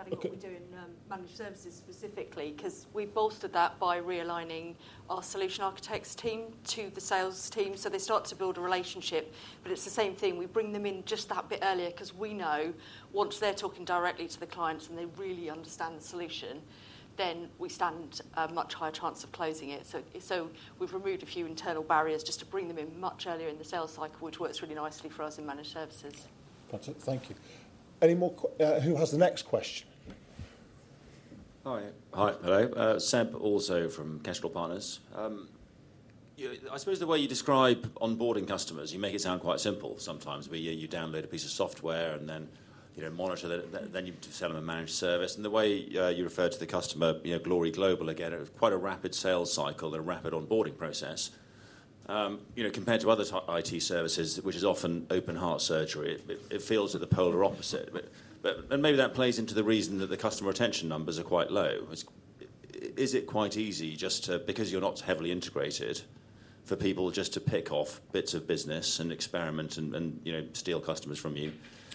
it worth just adding- Okay... what we do in managed services specifically? 'Cause we've bolstered that by realigning our solution architects team to the sales team, so they start to build a relationship. But it's the same thing, we bring them in just that bit earlier 'cause we know once they're talking directly to the clients and they really understand the solution, then we stand a much higher chance of closing it. So we've removed a few internal barriers just to bring them in much earlier in the sales cycle, which works really nicely for us in managed services. Got it. Thank you. Any more questions? Who has the next question? Hi. Hi, hello. Seb, also from Kestrel Partners. I suppose the way you describe onboarding customers, you make it sound quite simple sometimes, where you, you download a piece of software and then, you know, monitor it, and then, then you sell them a managed service. And the way you refer to the customer, you know, Glory Global, again, it was quite a rapid sales cycle and a rapid onboarding process. You know, compared to other IT services, which is often open-heart surgery, it, it feels like the polar opposite. But, but, and maybe that plays into the reason that the customer retention numbers are quite low. Is it quite easy just to, because you're not heavily integrated, for people just to pick off bits of business and experiment and, and, you know, steal customers from you?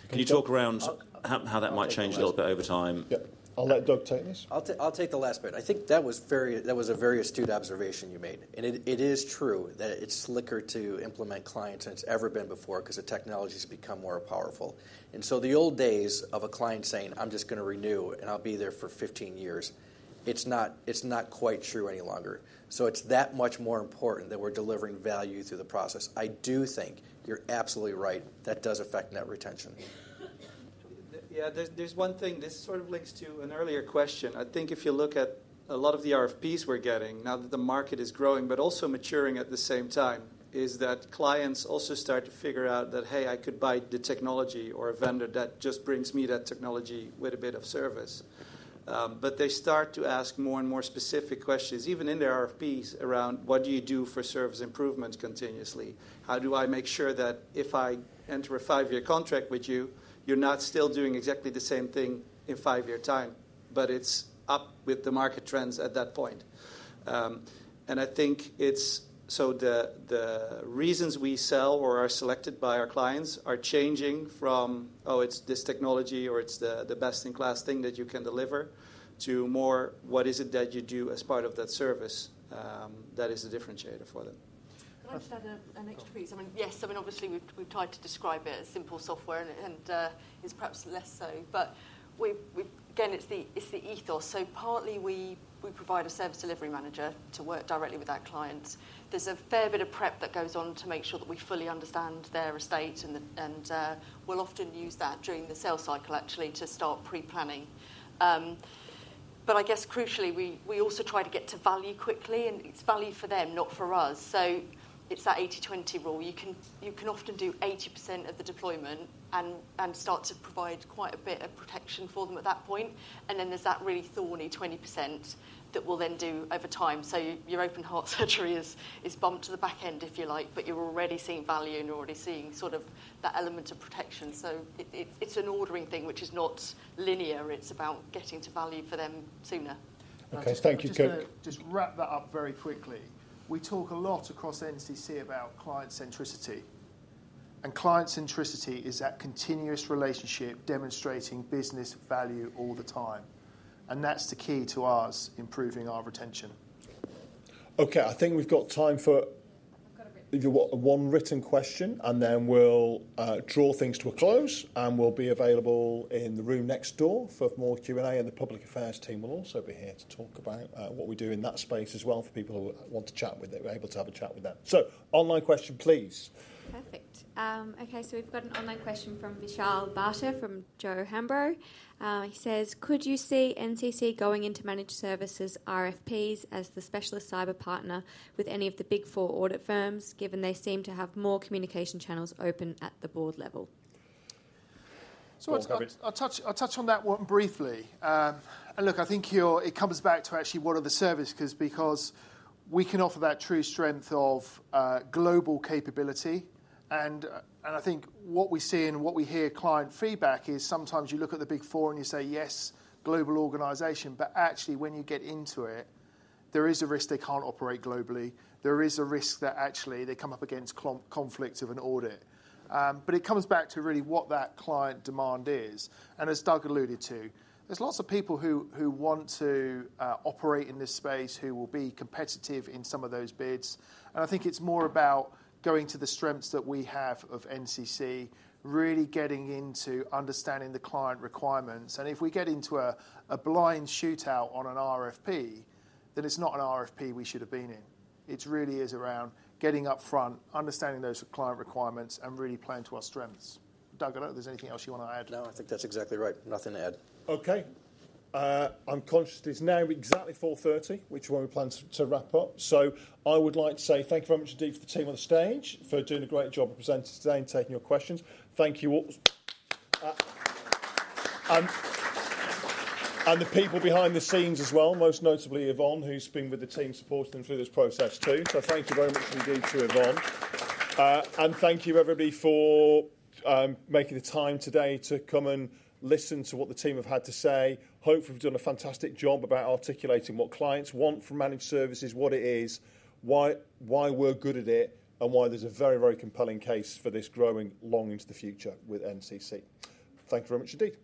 Can you talk around how that might change a little bit over time? Yeah. I'll let Doug take this. I'll take, I'll take the last bit. I think that was very-- that was a very astute observation you made. And it, it is true that it's slicker to implement clients than it's ever been before 'cause the technology's become more powerful. And so the old days of a client saying, "I'm just gonna renew, and I'll be there for 15 years," it's not, it's not quite true any longer. So it's that much more important that we're delivering value through the process. I do think you're absolutely right, that does affect net retention. Yeah, there's one thing, this sort of links to an earlier question. I think if you look at a lot of the RFPs we're getting now that the market is growing but also maturing at the same time, is that clients also start to figure out that, "Hey, I could buy the technology or a vendor that just brings me that technology with a bit of service." But they start to ask more and more specific questions, even in their RFPs, around: What do you do for service improvements continuously? How do I make sure that if I enter a 5-year contract with you, you're not still doing exactly the same thing in 5-year time, but it's up with the market trends at that point? And I think it's... So the reasons we sell or are selected by our clients are changing from, "Oh, it's this technology," or, "It's the best-in-class thing that you can deliver," to more: What is it that you do as part of that service that is a differentiator for them? Can I just add an extra piece? I mean, yes, I mean, obviously, we've tried to describe it as simple software, and it's perhaps less so. But we again, it's the ethos. So partly, we provide a service delivery manager to work directly with our clients. There's a fair bit of prep that goes on to make sure that we fully understand their estate, and we'll often use that during the sales cycle, actually, to start pre-planning. But I guess crucially, we also try to get to value quickly, and it's value for them, not for us. So it's that 80/20 rule. You can often do 80% of the deployment and start to provide quite a bit of protection for them at that point, and then there's that really thorny 20% that we'll then do over time. So your open heart surgery is bumped to the back end, if you like, but you're already seeing value, and you're already seeing sort of that element of protection. So it's an ordering thing, which is not linear. It's about getting to value for them sooner. Okay, thank you, Natalie. Just to wrap that up very quickly, we talk a lot across NCC about client centricity, and client centricity is that continuous relationship demonstrating business value all the time, and that's the key to us improving our retention. Okay, I think we've got time for- We've got a written-If you want, one written question, and then we'll draw things to a close, and we'll be available in the room next door for more Q&A, and the public affairs team will also be here to talk about what we do in that space as well, for people who want to chat with them, are able to have a chat with them. So online question, please. Perfect. Okay, so we've got an online question from Vishal Bhatia from J.O. Hambro. He says: Could you see NCC going into managed services RFPs as the specialist cyber partner with any of the Big Four audit firms, given they seem to have more communication channels open at the board level? So I'll touch on that one briefly. And look, I think you're—it comes back to actually what are the service, 'cause we can offer that true strength of global capability, and I think what we see and what we hear client feedback is sometimes you look at the Big Four, and you say, "Yes, global organization." But actually, when you get into it, there is a risk they can't operate globally. There is a risk that actually they come up against conflicts of an audit. But it comes back to really what that client demand is, and as Doug alluded to, there's lots of people who want to operate in this space, who will be competitive in some of those bids. I think it's more about going to the strengths that we have of NCC, really getting into understanding the client requirements, and if we get into a blind shootout on an RFP, then it's not an RFP we should have been in. It really is around getting up front, understanding those client requirements, and really playing to our strengths. Doug, I don't know if there's anything else you want to add? No, I think that's exactly right. Nothing to add. Okay. I'm conscious it's now exactly 4:30, which is when we planned to wrap up. So I would like to say thank you very much indeed to the team on the stage for doing a great job of presenting today and taking your questions. Thank you all. And the people behind the scenes as well, most notably Yvonne, who's been with the team, supporting them through this process, too. So thank you very much indeed to Yvonne. And thank you, everybody, for making the time today to come and listen to what the team have had to say. Hopefully, we've done a fantastic job about articulating what clients want from managed services, what it is, why we're good at it, and why there's a very, very compelling case for this growing long into the future with NCC. Thank you very much indeed.